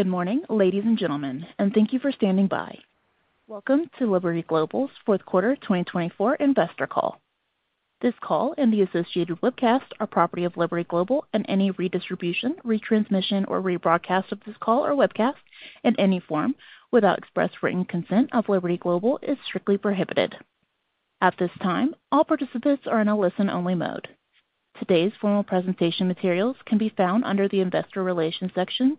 Good morning, ladies and gentlemen, and thank you for standing by. Welcome to Liberty Global's fourth quarter 2024 investor call. This call and the associated webcast are property of Liberty Global, and any redistribution, retransmission, or rebroadcast of this call or webcast in any form without express written consent of Liberty Global is strictly prohibited. At this time, all participants are in a listen-only mode. Today's formal presentation materials can be found under the investor relations section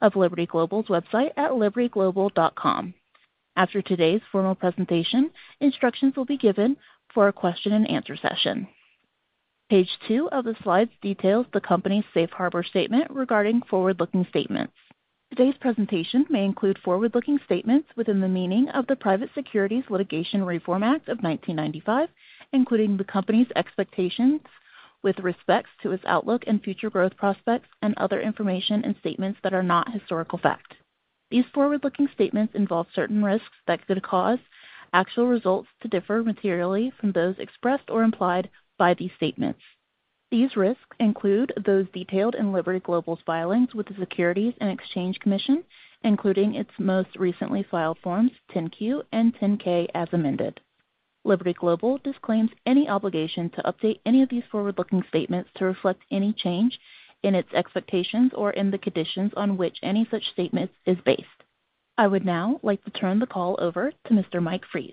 of Liberty Global's website at libertyglobal.com. After today's formal presentation, instructions will be given for a question-and-answer session. Page 2 of the slides details the company's safe harbor statement regarding forward-looking statements. Today's presentation may include forward-looking statements within the meaning of the Private Securities Litigation Reform Act of 1995, including the company's expectations with respect to its outlook and future growth prospects, and other information and statements that are not historical fact. These forward-looking statements involve certain risks that could cause actual results to differ materially from those expressed or implied by these statements. These risks include those detailed in Liberty Global's filings with the Securities and Exchange Commission, including its most recently filed forms, 10-Q and 10-K as amended. Liberty Global disclaims any obligation to update any of these forward-looking statements to reflect any change in its expectations or in the conditions on which any such statement is based. I would now like to turn the call over to Mr. Mike Fries.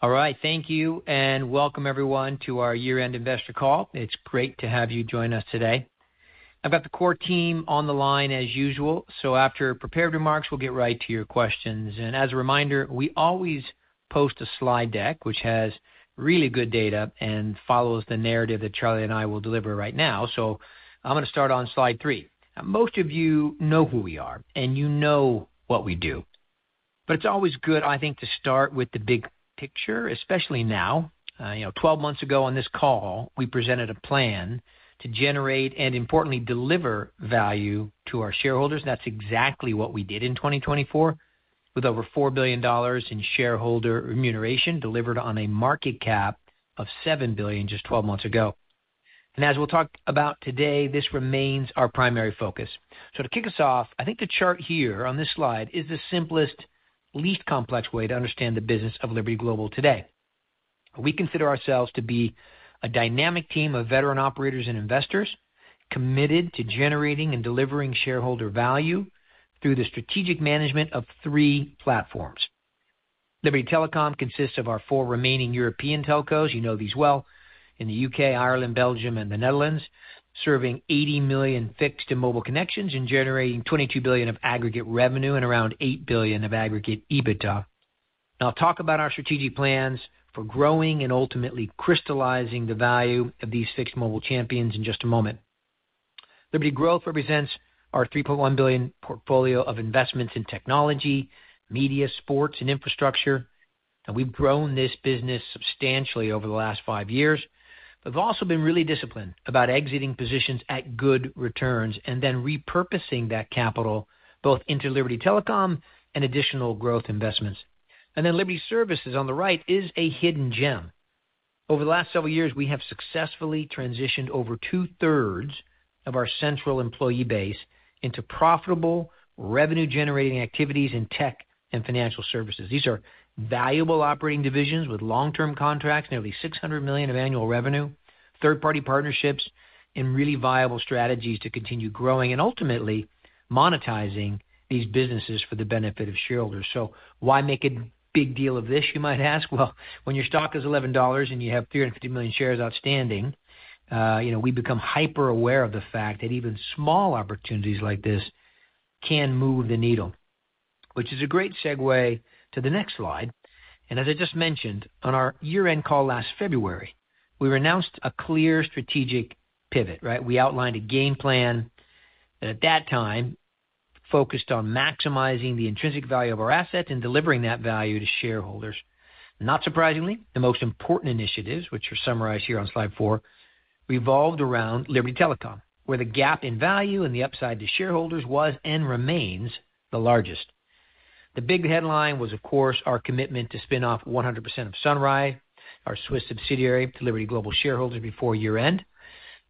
All right, thank you, and welcome everyone to our year-end investor call. It's great to have you join us today. I've got the core team on the line as usual, so after prepared remarks, we'll get right to your questions. And as a reminder, we always post a slide deck which has really good data and follows the narrative that Charlie and I will deliver right now. So I'm going to start on slide three. Most of you know who we are, and you know what we do. But it's always good, I think, to start with the big picture, especially now. 12 months ago on this call, we presented a plan to generate and, importantly, deliver value to our shareholders. That's exactly what we did in 2024, with over $4 billion in shareholder remuneration delivered on a market cap of $7 billion just 12 months ago. As we'll talk about today, this remains our primary focus. So to kick us off, I think the chart here on this slide is the simplest, least complex way to understand the business of Liberty Global today. We consider ourselves to be a dynamic team of veteran operators and investors committed to generating and delivering shareholder value through the strategic management of three platforms. Liberty Telecom consists of our four remaining European telcos, you know these well, in the U.K., Ireland, Belgium, and the Netherlands, serving 80 million fixed and mobile connections and generating $22 billion of aggregate revenue and around $8 billion of aggregate EBITDA. I'll talk about our strategic plans for growing and ultimately crystallizing the value of these fixed mobile champions in just a moment. Liberty Growth represents our $3.1 billion portfolio of investments in technology, media, sports, and infrastructure. We've grown this business substantially over the last five years. We've also been really disciplined about exiting positions at good returns and then repurposing that capital both into Liberty Telecom and additional growth investments. And then Liberty Services on the right is a hidden gem. Over the last several years, we have successfully transitioned over two-thirds of our central employee BASE into profitable revenue-generating activities in tech and financial services. These are valuable operating divisions with long-term contracts, nearly $600 million of annual revenue, third-party partnerships, and really viable strategies to continue growing and ultimately monetizing these businesses for the benefit of shareholders. So why make a big deal of this, you might ask? When your stock is $11 and you have 350 million shares outstanding, we become hyper-aware of the fact that even small opportunities like this can move the needle, which is a great segue to the next slide. And as I just mentioned, on our year-end call last February, we announced a clear strategic pivot. We outlined a game plan that at that time focused on maximizing the intrinsic value of our assets and delivering that value to shareholders. Not surprisingly, the most important initiatives, which are summarized here on slide four, revolved around Liberty Telecom, where the gap in value and the upside to shareholders was and remains the largest. The big headline was, of course, our commitment to spin off 100% of Sunrise, our Swiss subsidiary to Liberty Global shareholders before year-end.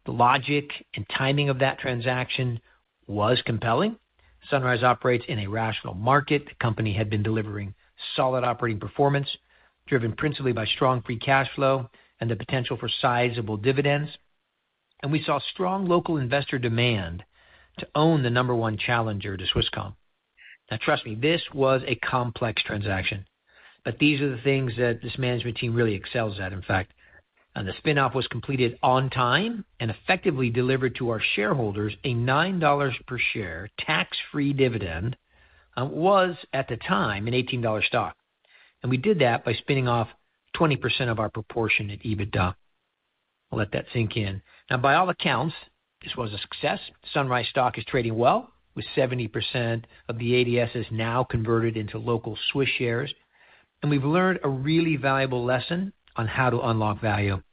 The logic and timing of that transaction was compelling. Sunrise operates in a rational market. The company had been delivering solid operating performance, driven principally by strong free cash flow and the potential for sizable dividends. And we saw strong local investor demand to own the number one challenger to Swisscom. Now, trust me, this was a complex transaction, but these are the things that this management team really excels at. In fact, the spin-off was completed on time and effectively delivered to our shareholders a $9 per share tax-free dividend, which was at the time an $18 stock. And we did that by spinning off 20% of our proportionate EBITDA. I'll let that sink in. Now, by all accounts, this was a success. Sunrise stock is trading well, with 70% of the ADSs now converted into local Swiss shares. And we've learned a really valuable lesson on how to unlock value.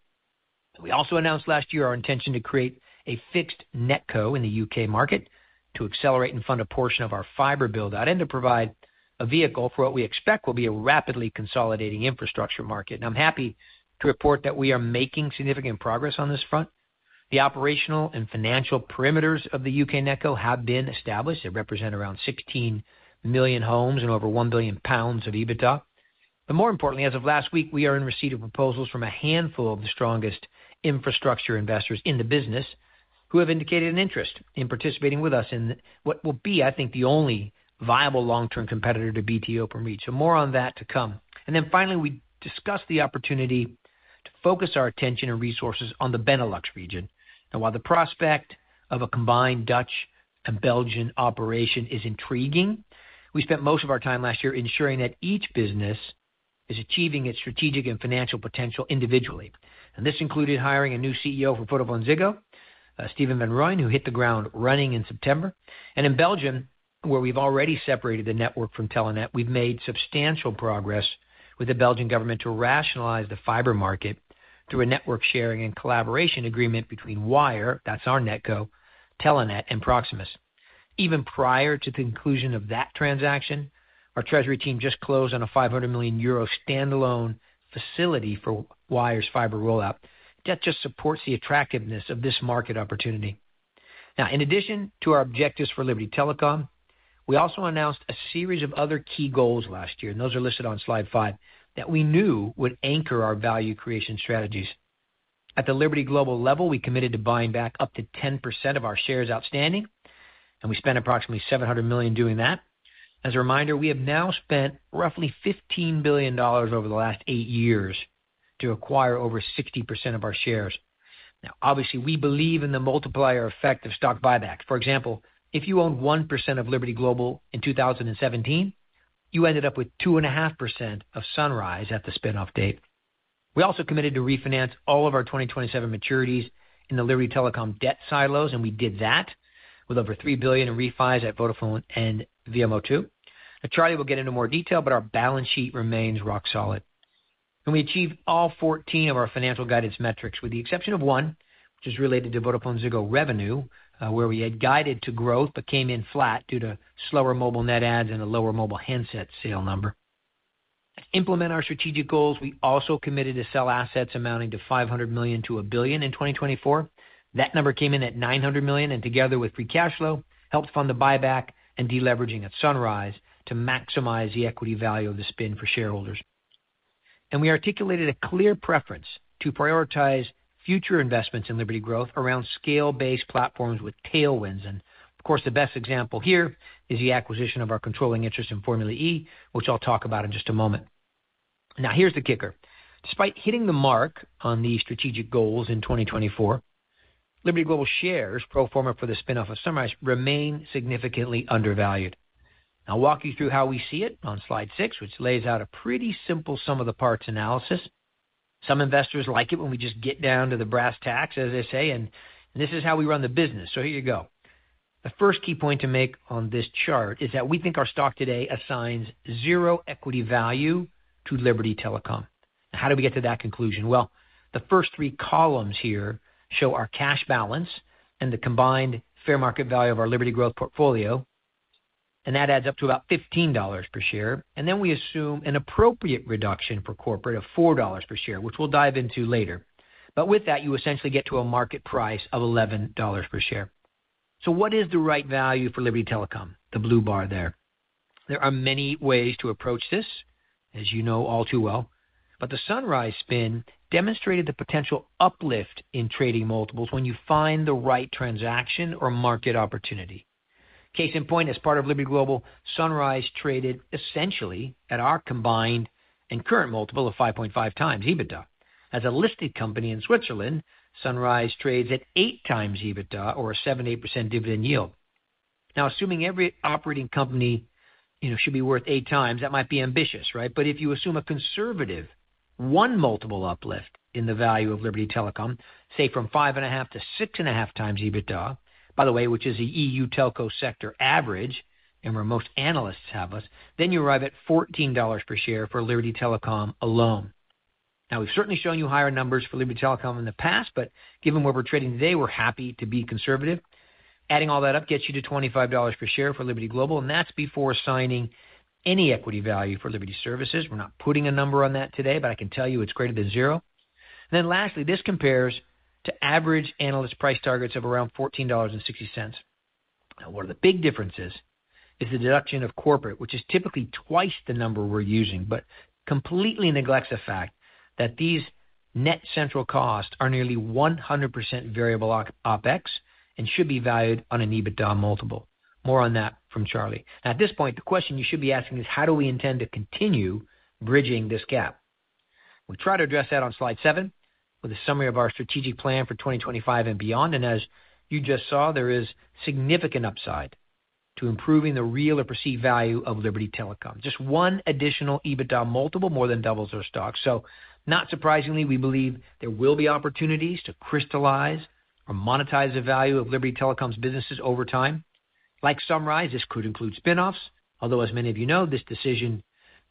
We also announced last year our intention to create a fixed NetCo in the U.K. market to accelerate and fund a portion of our fiber build-out and to provide a vehicle for what we expect will be a rapidly consolidating infrastructure market. And I'm happy to report that we are making significant progress on this front. The operational and financial parameters of the U.K. NetCo have been established. It represents around 16 million homes and over 1 billion pounds of EBITDA. But more importantly, as of last week, we are in receipt of proposals from a handful of the strongest infrastructure investors in the business who have indicated an interest in participating with us in what will be, I think, the only viable long-term competitor to Openreach from REITs. So more on that to come. And then finally, we discussed the opportunity to focus our attention and resources on the Benelux region. Now, while the prospect of a combined Dutch and Belgian operation is intriguing, we spent most of our time last year ensuring that each business is achieving its strategic and financial potential individually. And this included hiring a new CEO from VodafoneZiggo, Stephen van Rooyen, who hit the ground running in September. And in Belgium, where we've already separated the network from Telenet, we've made substantial progress with the Belgian government to rationalize the fiber market through a network sharing and collaboration agreement between Wyre, that's our NetCo, Telenet, and Proximus. Even prior to the conclusion of that transaction, our treasury team just closed on a 500 million euro standalone facility for Wyre's fiber rollout. That just supports the attractiveness of this market opportunity. Now, in addition to our objectives for Liberty Telecom, we also announced a series of other key goals last year, and those are listed on slide five, that we knew would anchor our value creation strategies. At the Liberty Global level, we committed to buying back up to 10% of our shares outstanding, and we spent approximately $700 million doing that. As a reminder, we have now spent roughly $15 billion over the last eight years to acquire over 60% of our shares. Now, obviously, we believe in the multiplier effect of stock buybacks. For example, if you owned 1% of Liberty Global in 2017, you ended up with 2.5% of Sunrise at the spinoff date. We also committed to refinance all of our 2027 maturities in the Liberty Telecom debt silos, and we did that with over $3 billion in refis at Vodafone and VMO2. Charlie will get into more detail, but our balance sheet remains rock solid, and we achieved all 14 of our financial guidance metrics, with the exception of one, which is related to VodafoneZiggo revenue, where we had guided to growth but came in flat due to slower mobile net adds and a lower mobile handset sale number. To implement our strategic goals, we also committed to sell assets amounting to $500 million-$1 billion in 2024. That number came in at $900 million, and together with free cash flow, helped fund the buyback and deleveraging at Sunrise to maximize the equity value of the spin for shareholders, and we articulated a clear preference to prioritize future investments in Liberty Growth around scale-based platforms with tailwinds. And of course, the best example here is the acquisition of our controlling interest in Formula E, which I'll talk about in just a moment. Now, here's the kicker. Despite hitting the mark on these strategic goals in 2024, Liberty Global shares, pro forma for the spinoff of Sunrise, remain significantly undervalued. I'll walk you through how we see it on slide six, which lays out a pretty simple sum-of-the-parts analysis. Some investors like it when we just get down to the brass tacks, as they say, and this is how we run the business. So here you go. The first key point to make on this chart is that we think our stock today assigns zero equity value to Liberty Telecom. How do we get to that conclusion? The first three columns here show our cash balance and the combined fair market value of our Liberty Growth portfolio, and that adds up to about $15 per share, and then we assume an appropriate reduction for corporate of $4 per share, which we'll dive into later, but with that, you essentially get to a market price of $11 per share, so what is the right value for Liberty Telecom, the blue bar there? There are many ways to approach this, as you know all too well, but the Sunrise spin demonstrated the potential uplift in trading multiples when you find the right transaction or market opportunity. Case in point, as part of Liberty Global, Sunrise traded essentially at our combined and current multiple of 5.5x EBITDA. As a listed company in Switzerland, Sunrise trades at 8x EBITDA or a 78% dividend yield. Now, assuming every operating company should be worth 8x, that might be ambitious, right? But if you assume a conservative one multiple uplift in the value of Liberty Telecom, say from 5.5x-6.5x EBITDA, by the way, which is the EU telco sector average and where most analysts have us, then you arrive at $14 per share for Liberty Telecom alone. Now, we've certainly shown you higher numbers for Liberty Telecom in the past, but given where we're trading today, we're happy to be conservative. Adding all that up gets you to $25 per share for Liberty Global, and that's before assigning any equity value for Liberty Services. We're not putting a number on that today, but I can tell you it's greater than zero. And then lastly, this compares to average analyst price targets of around $14.60. Now, one of the big differences is the deduction of corporate, which is typically twice the number we're using, but completely neglects the fact that these net central costs are nearly 100% variable OpEx and should be valued on an EBITDA multiple. More on that from Charlie. At this point, the question you should be asking is, how do we intend to continue bridging this gap? We'll try to address that on slide seven with a summary of our strategic plan for 2025 and beyond. And as you just saw, there is significant upside to improving the real or perceived value of Liberty Telecom. Just one additional EBITDA multiple more than doubles our stock. So not surprisingly, we believe there will be opportunities to crystallize or monetize the value of Liberty Telecom's businesses over time. Like Sunrise, this could include spinoffs. Although, as many of you know, this decision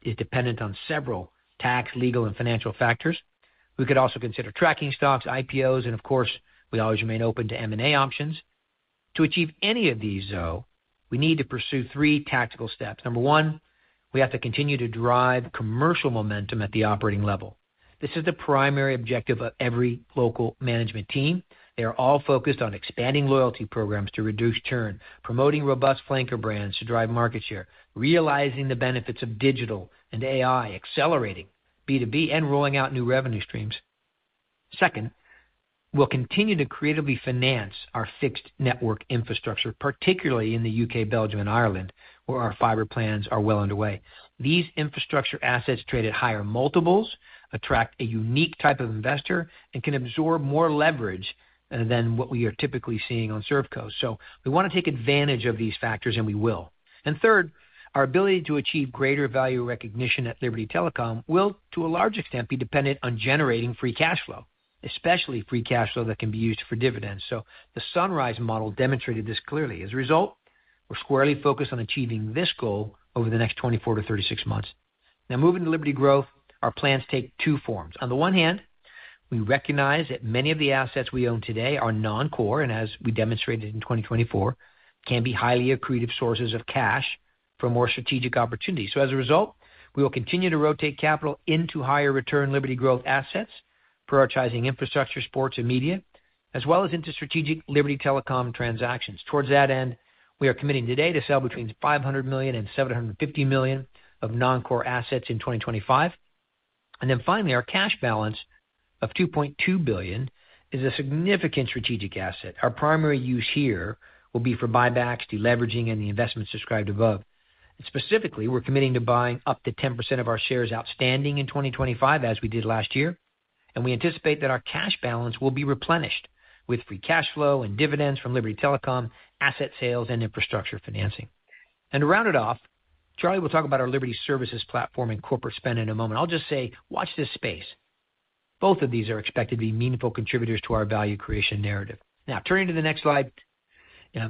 is dependent on several tax, legal, and financial factors. We could also consider tracking stocks, IPOs, and of course, we always remain open to M&A options. To achieve any of these, though, we need to pursue three tactical steps. Number one, we have to continue to drive commercial momentum at the operating level. This is the primary objective of every local management team. They are all focused on expanding loyalty programs to reduce churn, promoting robust flanker brands to drive market share, realizing the benefits of digital and AI, accelerating B2B and rolling out new revenue streams. Second, we'll continue to creatively finance our fixed network infrastructure, particularly in the U.K., Belgium, and Ireland, where our fiber plans are well underway. These infrastructure assets that trade at higher multiples attract a unique type of investor and can absorb more leverage than what we are typically seeing on ServCo. So we want to take advantage of these factors, and we will, and third, our ability to achieve greater value recognition at Liberty Telecom will, to a large extent, be dependent on generating free cash flow, especially free cash flow that can be used for dividends, so the Sunrise model demonstrated this clearly. As a result, we're squarely focused on achieving this goal over the next 24-36 months. Now, moving to Liberty Growth, our plans take two forms. On the one hand, we recognize that many of the assets we own today are non-core, and as we demonstrated in 2024, can be highly accretive sources of cash for more strategic opportunities. So as a result, we will continue to rotate capital into higher return Liberty Growth assets, prioritizing infrastructure, sports, and media, as well as into strategic Liberty Telecom transactions. Toward that end, we are committing today to sell between $500 million and $750 million of non-core assets in 2025. And then finally, our cash balance of $2.2 billion is a significant strategic asset. Our primary use here will be for buybacks, deleveraging, and the investments described above. Specifically, we're committing to buying up to 10% of our shares outstanding in 2025, as we did last year. And we anticipate that our cash balance will be replenished with free cash flow and dividends from Liberty Telecom asset sales and infrastructure financing. And to round it off, Charlie will talk about our Liberty Services platform and corporate spend in a moment. I'll just say, watch this space. Both of these are expected to be meaningful contributors to our value creation narrative. Now, turning to the next slide,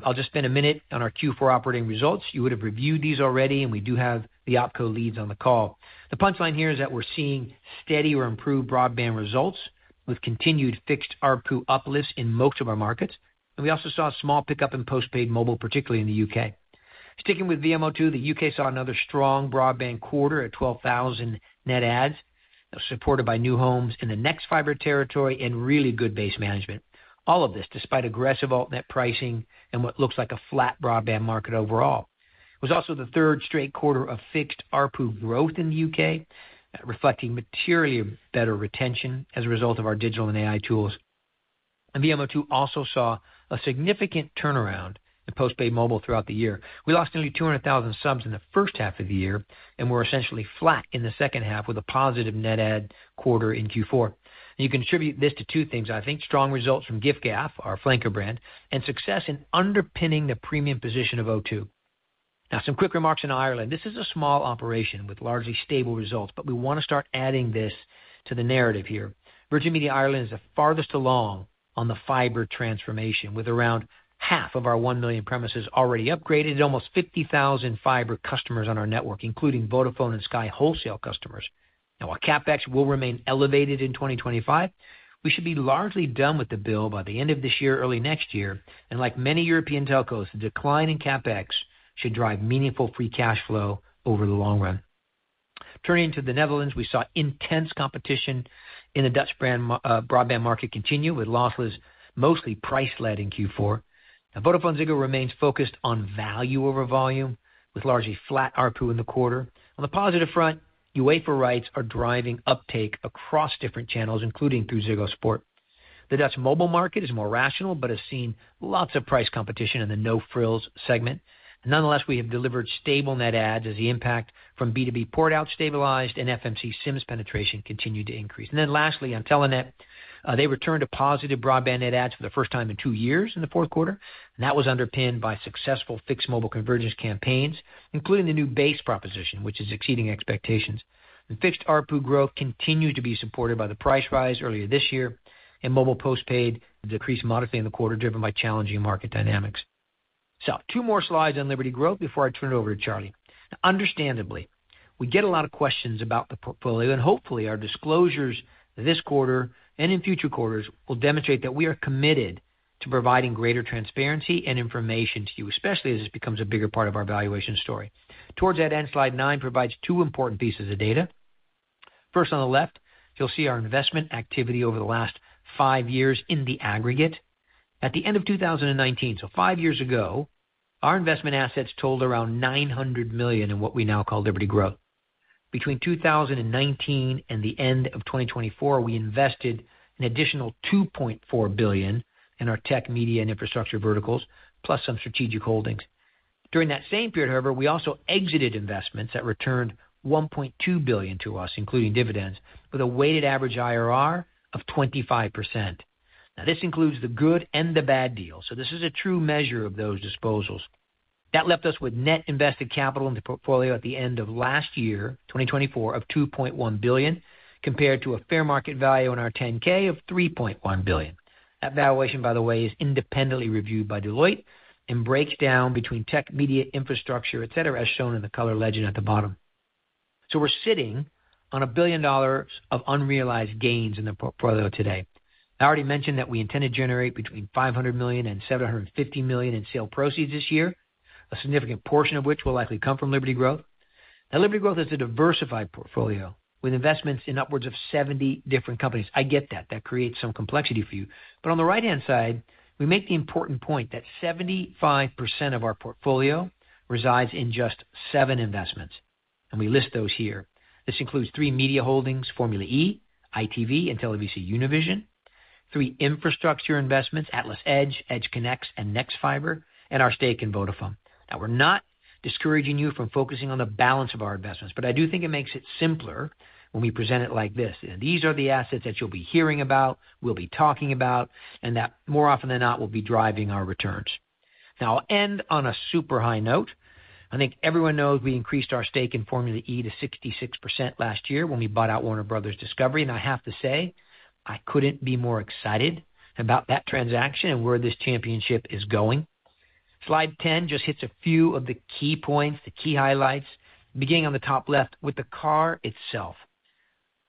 I'll just spend a minute on our Q4 operating results. You would have reviewed these already, and we do have the OpCo leads on the call. The punchline here is that we're seeing steady or improved broadband results with continued fixed ARPU uplifts in most of our markets. And we also saw a small pickup in postpaid mobile, particularly in the U.K. Sticking with VMO2, the U.K. saw another strong broadband quarter at 12,000 net adds, supported by new homes in the nexfibre territory and really good base management. All of this despite aggressive alt-net pricing and what looks like a flat broadband market overall. It was also the third straight quarter of fixed ARPU growth in the U.K., reflecting materially better retention as a result of our digital and AI tools, and VMO2 also saw a significant turnaround in postpaid mobile throughout the year. We lost nearly 200,000 subs in the first half of the year and were essentially flat in the second half with a positive net add quarter in Q4. We attribute this to two things. I think strong results from Giffgaff, our flanker brand, and success in underpinning the premium position of O2. Now, some quick remarks in Ireland. This is a small operation with largely stable results, but we want to start adding this to the narrative here. Virgin Media Ireland is the farthest along on the fiber transformation, with around 500,000 of our 1 million premises already upgraded and almost 50,000 fiber customers on our network, including Vodafone and Sky wholesale customers. Now, while CapEx will remain elevated in 2025, we should be largely done with the build by the end of this year, early next year, and like many European telcos, the decline in CapEx should drive meaningful free cash flow over the long run. Turning to the Netherlands, we saw intense competition in the Dutch brand broadband market continue with losses mostly price-led in Q4. VodafoneZiggo remains focused on value over volume with largely flat ARPU in the quarter. On the positive front, UEFA rights are driving uptake across different channels, including through Ziggo Sport. The Dutch mobile market is more rational but has seen lots of price competition in the no-frills segment. Nonetheless, we have delivered stable net adds as the impact from B2B port-out stabilized and FMC SIMs penetration continued to increase, and then lastly, on Telenet, they returned to positive broadband net adds for the first time in two years in the fourth quarter. That was underpinned by successful fixed mobile convergence campaigns, including the new Base proposition, which is exceeding expectations. The fixed ARPU growth continued to be supported by the price rise earlier this year, and mobile postpaid decreased modestly in the quarter driven by challenging market dynamics, so two more slides on Liberty Growth before I turn it over to Charlie. Understandably, we get a lot of questions about the portfolio, and hopefully our disclosures this quarter and in future quarters will demonstrate that we are committed to providing greater transparency and information to you, especially as this becomes a bigger part of our valuation story. Towards that end, slide nine provides two important pieces of data. First, on the left, you'll see our investment activity over the last five years in the aggregate. At the end of 2019, so five years ago, our investment assets totaled around $900 million in what we now call Liberty Growth. Between 2019 and the end of 2024, we invested an additional $2.4 billion in our tech, media, and infrastructure verticals, plus some strategic holdings. During that same period, however, we also exited investments that returned $1.2 billion to us, including dividends, with a weighted average IRR of 25%. Now, this includes the good and the bad deal. So this is a true measure of those disposals. That left us with net invested capital in the portfolio at the end of last year, 2024, of $2.1 billion, compared to a fair market value on our 10-K of $3.1 billion. That valuation, by the way, is independently reviewed by Deloitte and breaks down between tech, media, infrastructure, etc., as shown in the color legend at the bottom. We're sitting on $1 billion of unrealized gains in the portfolio today. I already mentioned that we intend to generate between $500 million and $750 million in sale proceeds this year, a significant portion of which will likely come from Liberty Growth. Now, Liberty Growth is a diversified portfolio with investments in upwards of 70 different companies. I get that. That creates some complexity for you. But on the right-hand side, we make the important point that 75% of our portfolio resides in just seven investments, and we list those here. This includes three media holdings, Formula E, ITV, and TelevisaUnivision, three infrastructure investments, AtlasEdge, EdgeConneX, and nexfibre, and our stake in Vodafone. Now, we're not discouraging you from focusing on the balance of our investments, but I do think it makes it simpler when we present it like this. These are the assets that you'll be hearing about, we'll be talking about, and that more often than not will be driving our returns. Now, I'll end on a super high note. I think everyone knows we increased our stake in Formula E to 66% last year when we bought out Warner Bros. Discovery, and I have to say, I couldn't be more excited about that transaction and where this championship is going. Slide 10 just hits a few of the key points, the key highlights, beginning on the top left with the car itself.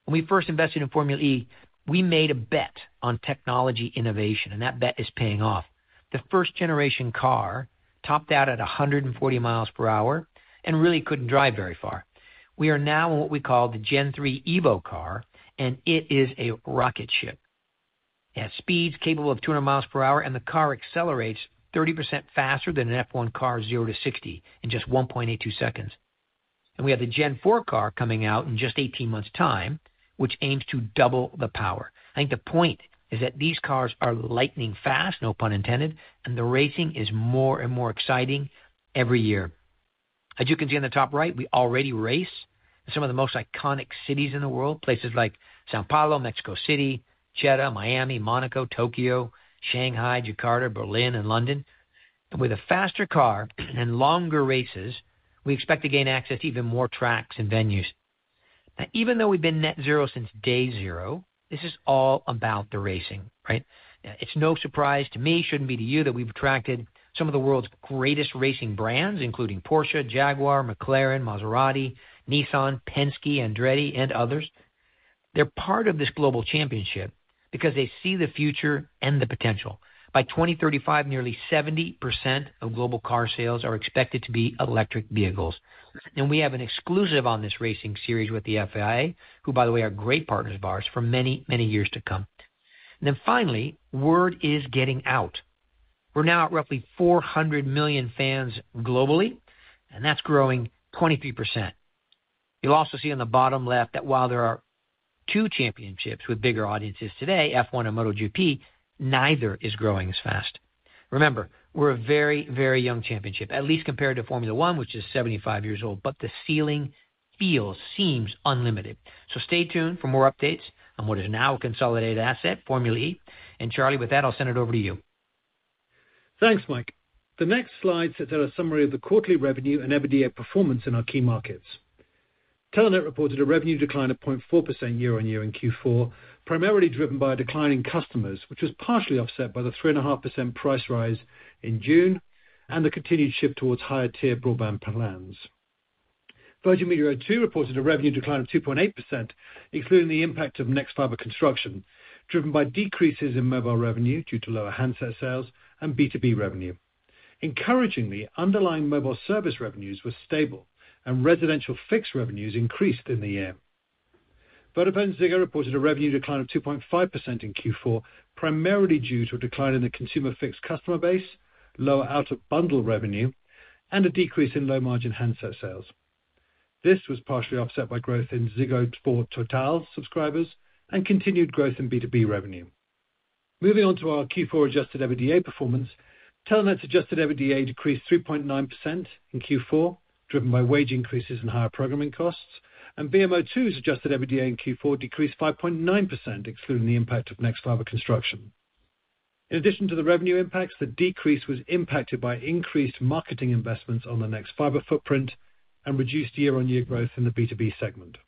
When we first invested in Formula E, we made a bet on technology innovation, and that bet is paying off. The first-generation car topped out at 140 mi per hour and really couldn't drive very far. We are now in what we call the Gen3 Evo car, and it is a rocket ship. It has speeds capable of 200 mi per hour, and the car accelerates 30% faster than an F1 car, zero to 60 in just 1.82 seconds. We have the Gen4 car coming out in just 18 months' time, which aims to double the power. I think the point is that these cars are lightning fast, no pun intended, and the racing is more and more exciting every year. As you can see on the top right, we already race in some of the most iconic cities in the world, places like São Paulo, Mexico City, Jeddah, Miami, Monaco, Tokyo, Shanghai, Jakarta, Berlin, and London. With a faster car and longer races, we expect to gain access to even more tracks and venues. Now, even though we've been Net Zero since day zero, this is all about the racing, right? It's no surprise to me, shouldn't be to you, that we've attracted some of the world's greatest racing brands, including Porsche, Jaguar, McLaren, Maserati, Nissan, Penske, Andretti, and others. They're part of this global championship because they see the future and the potential. By 2035, nearly 70% of global car sales are expected to be electric vehicles, and we have an exclusive on this racing series with the FIA, who, by the way, are great partners for many, many years to come, and then finally, word is getting out. We're now at roughly 400 million fans globally, and that's growing 23%. You'll also see on the bottom left that while there are two championships with bigger audiences today, F1 and MotoGP, neither is growing as fast. Remember, we're a very, very young championship, at least compared to Formula 1, which is 75 years old, but the ceiling feels unlimited. So stay tuned for more updates on what is now a consolidated asset, Formula E. And Charlie, with that, I'll send it over to you. Thanks, Mike. The next slides are a summary of the quarterly revenue and year-over-year performance in our key markets. Telenet reported a revenue decline of 0.4% year-on-year in Q4, primarily driven by declining customers, which was partially offset by the 3.5% price rise in June and the continued shift towards higher tier broadband plans. Virgin Media O2 reported a revenue decline of 2.8%, including the impact of nexfibre construction, driven by decreases in mobile revenue due to lower handset sales and B2B revenue. Encouragingly, underlying mobile service revenues were stable, and residential fixed revenues increased in the year. VodafoneZiggo reported a revenue decline of 2.5% in Q4, primarily due to a decline in the consumer fixed customer base, lower out-of-bundle revenue, and a decrease in low-margin handset sales. This was partially offset by growth in Ziggo Sport Totaal subscribers and continued growth in B2B revenue. Moving on to our Q4 adjusted EBITDA performance, Telenet's adjusted EBITDA decreased 3.9% in Q4, driven by wage increases and higher programming costs, and VMO2's adjusted EBITDA in Q4 decreased 5.9%, excluding the impact of nexfibre construction. In addition to the revenue impacts, the decrease was impacted by increased marketing investments on the nexfibre footprint and reduced year-on-year growth in the B2B segment.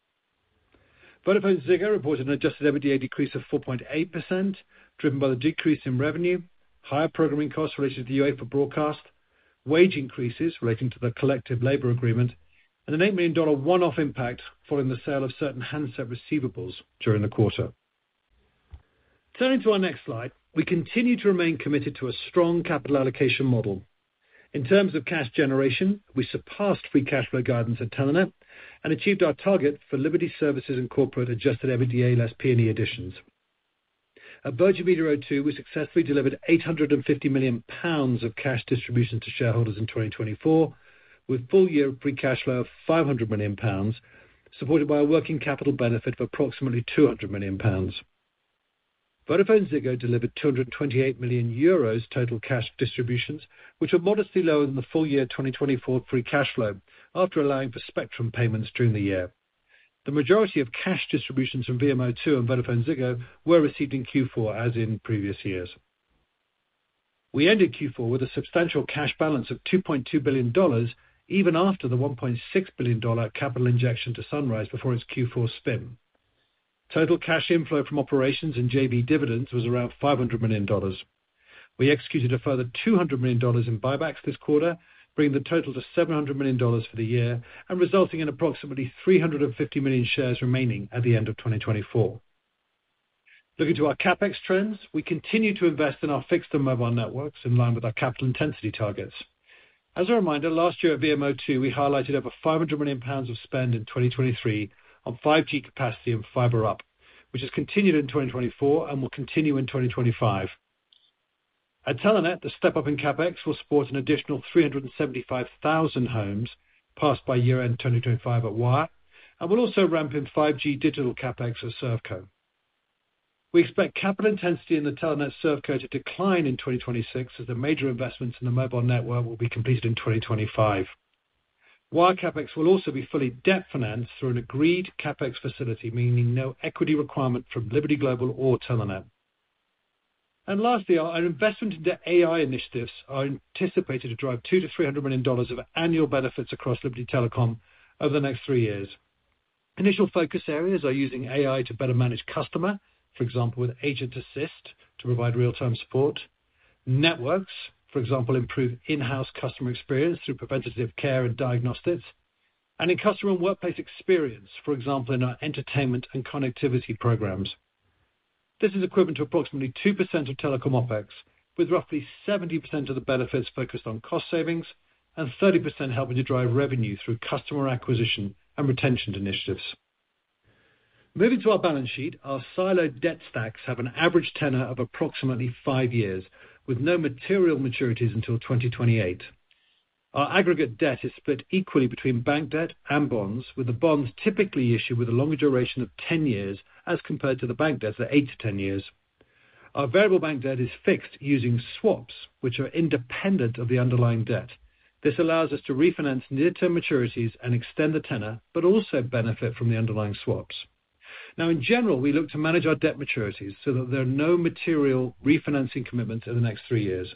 VodafoneZiggo reported an Adjusted EBITDA decrease of 4.8%, driven by the decrease in revenue, higher programming costs related to the UEFA broadcast, wage increases relating to the collective labor agreement, and an $8 million one-off impact following the sale of certain handset receivables during the quarter. Turning to our next slide, we continue to remain committed to a strong capital allocation model. In terms of cash generation, we surpassed free cash flow guidance at Telenet and achieved our target for Liberty Services and Corporate Adjusted EBITDA less P&E additions. At Virgin Media O2, we successfully delivered 850 million pounds of cash distributions to shareholders in 2024, with full-year free cash flow of 500 million pounds, supported by a working capital benefit of approximately 200 million pounds. VodafoneZiggo delivered 228 million euros total cash distributions, which were modestly lower than the full-year 2024 free cash flow after allowing for spectrum payments during the year. The majority of cash distributions from VMO2 and VodafoneZiggo were received in Q4, as in previous years. We ended Q4 with a substantial cash balance of $2.2 billion, even after the $1.6 billion capital injection to Sunrise before its Q4 spin. Total cash inflow from operations and JV dividends was around $500 million. We executed a further $200 million in buybacks this quarter, bringing the total to $700 million for the year and resulting in approximately 350 million shares remaining at the end of 2024. Looking to our CapEx trends, we continue to invest in our fixed and mobile networks in line with our capital intensity targets. As a reminder, last year at VMO2, we highlighted over 500 million pounds of spend in 2023 on 5G capacity and fiber upgrade, which has continued in 2024 and will continue in 2025. At Telenet, the step-up in CapEx will support an additional 375,000 homes passed by year-end 2025 at Wyre, and we'll also ramp in 5G digital CapEx at ServCo. We expect capital intensity in the Telenet ServCo to decline in 2026 as the major investments in the mobile network will be completed in 2025. Wyre CapEx will also be fully debt financed through an agreed CapEx facility, meaning no equity requirement from Liberty Global or Telenet. And lastly, our investment into AI initiatives are anticipated to drive $200 million-$300 million of annual benefits across Liberty Telecom over the next three years. Initial focus areas are using AI to better manage customer, for example, with agent assist to provide real-time support. Networks, for example, improve in-house customer experience through preventative care and diagnostics. And in customer and workplace experience, for example, in our entertainment and connectivity programs. This is equivalent to approximately 2% of telecom OpEx, with roughly 70% of the benefits focused on cost savings and 30% helping to drive revenue through customer acquisition and retention initiatives. Moving to our balance sheet, our siloed debt stacks have an average tenor of approximately five years, with no material maturities until 2028. Our aggregate debt is split equally between bank debt and bonds, with the bonds typically issued with a longer duration of 10 years as compared to the bank debts at 8-10 years. Our variable bank debt is fixed using swaps, which are independent of the underlying debt. This allows us to refinance near-term maturities and extend the tenor, but also benefit from the underlying swaps. Now, in general, we look to manage our debt maturities so that there are no material refinancing commitments in the next three years.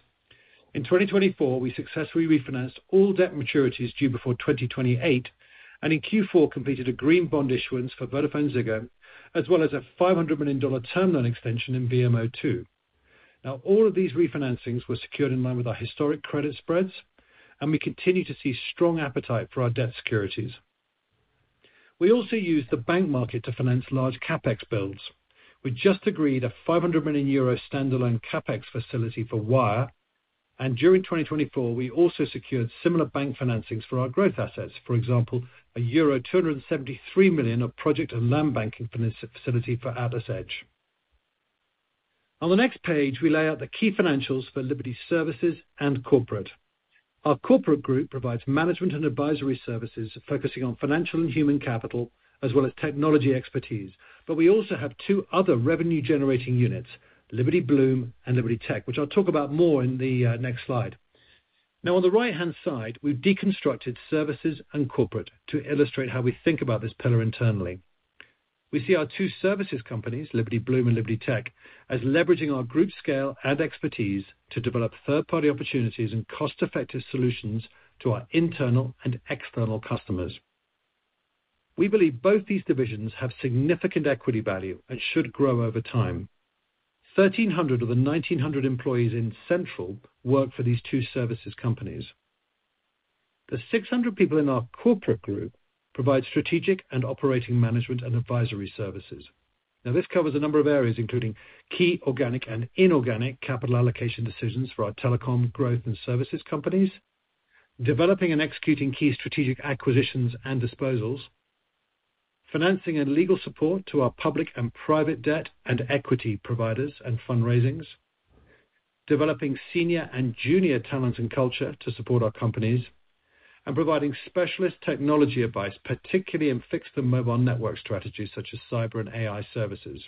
In 2024, we successfully refinanced all debt maturities due before 2028, and in Q4 completed a green bond issuance for VodafoneZiggo, as well as a $500 million term loan extension in VMO2. Now, all of these refinancings were secured in line with our historic credit spreads, and we continue to see strong appetite for our debt securities. We also use the bank market to finance large CapEx builds. We just agreed a 500 million euro standalone CapEx facility for Wyre, and during 2024, we also secured similar bank financings for our growth assets, for example, a euro 273 million project and land banking facility for AtlasEdge. On the next page, we lay out the key financials for Liberty Services and Corporate. Our corporate group provides management and advisory services focusing on financial and human capital, as well as technology expertise. But we also have two other revenue-generating units, Liberty Blume and Liberty Tech, which I'll talk about more in the next slide. Now, on the right-hand side, we've deconstructed services and corporate to illustrate how we think about this pillar internally. We see our two services companies, Liberty Blume and Liberty Tech, as leveraging our group scale and expertise to develop third-party opportunities and cost-effective solutions to our internal and external customers. We believe both these divisions have significant equity value and should grow over time. 1,300 of the 1,900 employees in Central work for these two services companies. The 600 people in our corporate group provide strategic and operating management and advisory services. Now, this covers a number of areas, including key organic and inorganic capital allocation decisions for our telecom growth and services companies, developing and executing key strategic acquisitions and disposals, financing and legal support to our public and private debt and equity providers and fundraisings, developing senior and junior talent and culture to support our companies, and providing specialist technology advice, particularly in fixed and mobile network strategies such as cyber and AI services.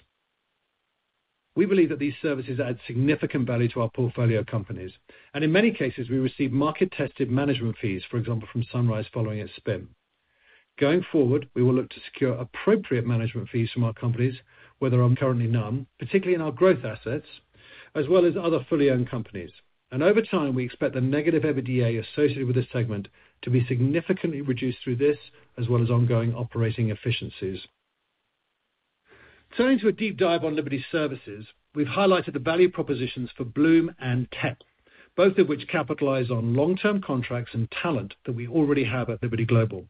We believe that these services add significant value to our portfolio companies, and in many cases, we receive market-tested management fees, for example, from Sunrise following its spin. Going forward, we will look to secure appropriate management fees from our companies, whether currently none, particularly in our growth assets, as well as other fully owned companies, and over time, we expect the negative EBITDA associated with this segment to be significantly reduced through this, as well as ongoing operating efficiencies. Turning to a deep dive on Liberty Services, we've highlighted the value propositions for Bloom and Tech, both of which capitalize on long-term contracts and talent that we already have at Liberty Global.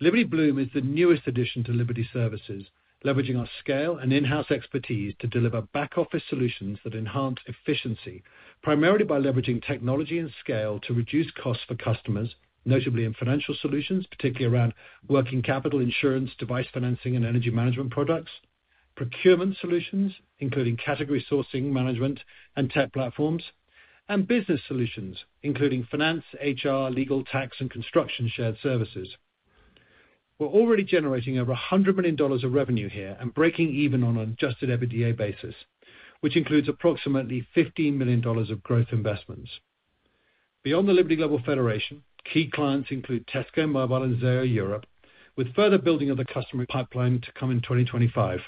Liberty Blume is the newest addition to Liberty Services, leveraging our scale and in-house expertise to deliver back-office solutions that enhance efficiency, primarily by leveraging technology and scale to reduce costs for customers, notably in financial solutions, particularly around working capital, insurance, device financing, and energy management products, procurement solutions, including category sourcing, management, and tech platforms, and business solutions, including finance, HR, legal, tax, and construction shared services. We're already generating over $100 million of revenue here and breaking even on an adjusted EBITDA basis, which includes approximately $15 million of growth investments. Beyond the Liberty Global Federation, key clients include Tesco Mobile, and Zayo Europe, with further building of the customer pipeline to come in 2025.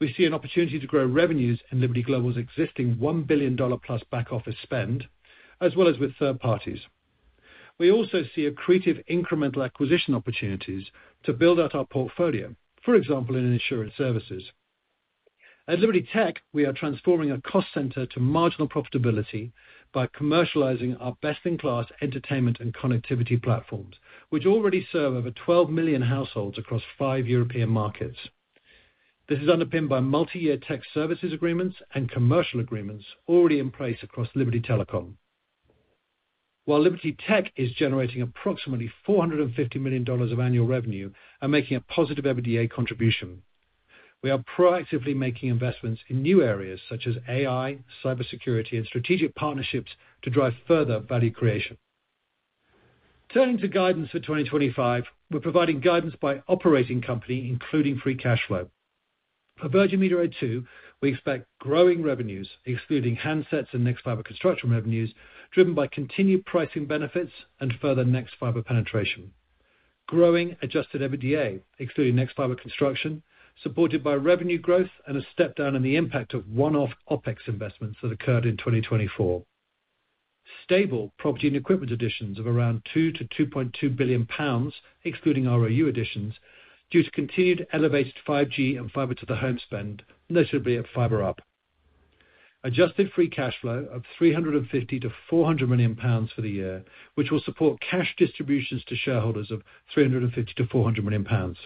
We see an opportunity to grow revenues in Liberty Global's existing $1 billion plus back-office spend, as well as with third parties. We also see accretive incremental acquisition opportunities to build out our portfolio, for example, in insurance services. At Liberty Tech, we are transforming a cost center to marginal profitability by commercializing our best-in-class entertainment and connectivity platforms, which already serve over 12 million households across five European markets. This is underpinned by multi-year tech services agreements and commercial agreements already in place across Liberty Telecom. While Liberty Tech is generating approximately $450 million of annual revenue and making a positive EBITDA contribution, we are proactively making investments in new areas such as AI, cybersecurity, and strategic partnerships to drive further value creation. Turning to guidance for 2025, we're providing guidance by operating company, including free cash flow. At Virgin Media O2, we expect growing revenues, excluding handsets and nexfibre construction revenues, driven by continued pricing benefits and further nexfibre penetration. Growing adjusted EBITDA, excluding nexfibre construction, supported by revenue growth and a step down in the impact of one-off OpEx investments that occurred in 2024. Stable property and equipment additions of around 2 billion-2.2 billion pounds, excluding ROU additions, due to continued elevated 5G and fiber to the home spend, notably at fiber upgrade. Adjusted free cash flow of 350 million-400 million pounds for the year, which will support cash distributions to shareholders of 350 million-400 million pounds.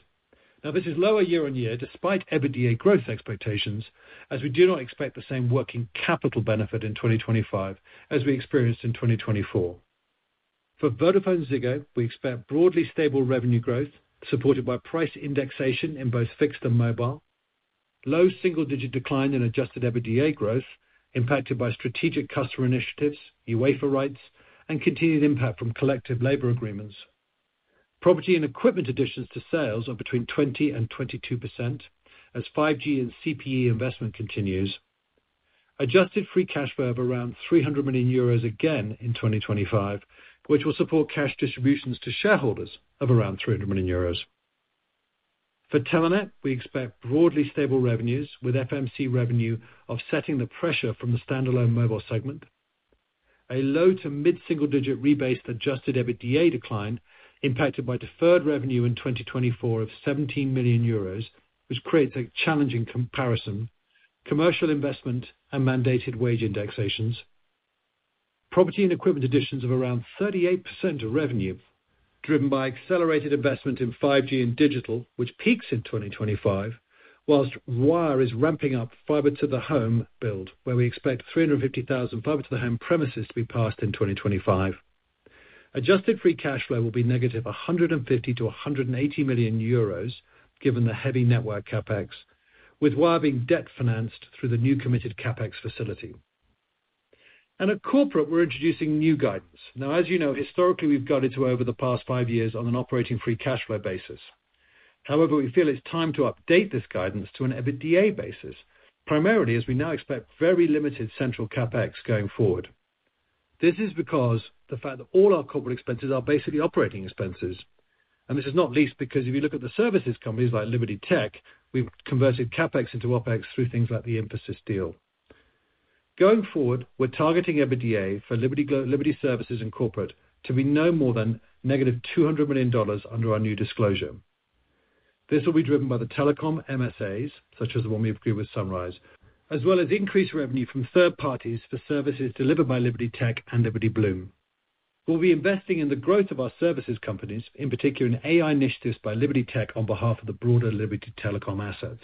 Now, this is lower year-on-year despite EBITDA growth expectations, as we do not expect the same working capital benefit in 2025 as we experienced in 2024. For VodafoneZiggo, we expect broadly stable revenue growth, supported by price indexation in both fixed and mobile, low single-digit decline in adjusted EBITDA growth, impacted by strategic customer initiatives, UEFA rights, and continued impact from collective labor agreements. Property and equipment additions to sales are between 20% and 22% as 5G and CPE investment continues. Adjusted free cash flow of around 300 million euros again in 2025, which will support cash distributions to shareholders of around 300 million euros. For Telenet, we expect broadly stable revenues with FMC revenue offsetting the pressure from the standalone mobile segment. A low to mid-single-digit rebase Adjusted EBITDA decline, impacted by deferred revenue in 2024 of 17 million euros, which creates a challenging comparison: commercial investment and mandated wage indexations. Property and equipment additions of around 38% of revenue, driven by accelerated investment in 5G and digital, which peaks in 2025, whilst Wyre is ramping up fiber to the home build, where we expect 350,000 fiber to the home premises to be passed in 2025. Adjusted free cash flow will be negative 150 million-180 million euros, given the heavy network CapEx, with Wyre being debt financed through the new committed CapEx facility. At Corporate, we're introducing new guidance. Now, as you know, historically, we've guided to over the past five years on an operating free cash flow basis. However, we feel it's time to update this guidance to an EBITDA basis, primarily as we now expect very limited central CapEx going forward. This is because the fact that all our corporate expenses are basically operating expenses. This is not least because if you look at the services companies like Liberty Tech, we've converted CapEx into OpEx through things like the Infosys deal. Going forward, we're targeting EBITDA for Liberty Services and Corporate to be no more than -$200 million under our new disclosure. This will be driven by the telecom MSAs, such as the one we've agreed with Sunrise, as well as increased revenue from third parties for services delivered by Liberty Tech and Liberty Blume. We'll be investing in the growth of our services companies, in particular in AI initiatives by Liberty Tech on behalf of the broader Liberty Telecom assets.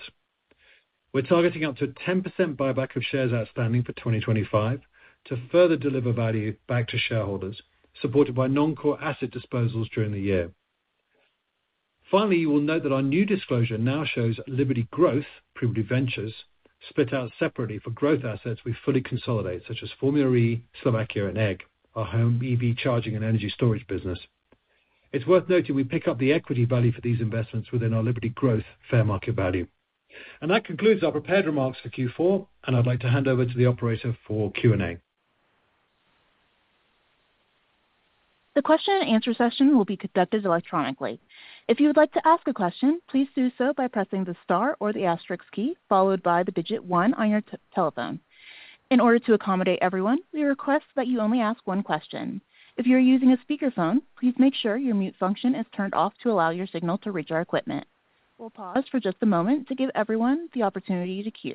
We're targeting up to a 10% buyback of shares outstanding for 2025 to further deliver value back to shareholders, supported by non-core asset disposals during the year. Finally, you will note that our new disclosure now shows Liberty Growth, private ventures, split out separately for growth assets we fully consolidate, such as Formula E, Slovakia, and Egg, our home EV charging and energy storage business. It's worth noting we pick up the equity value for these investments within our Liberty Growth fair market value. And that concludes our prepared remarks for Q4, and I'd like to hand over to the operator for Q&A. The question and answer session will be conducted electronically. If you would like to ask a question, please do so by pressing the star or the asterisk key followed by the digit one on your telephone. In order to accommodate everyone, we request that you only ask one question. If you're using a speakerphone, please make sure your mute function is turned off to allow your signal to reach our equipment. We'll pause for just a moment to give everyone the opportunity to queue.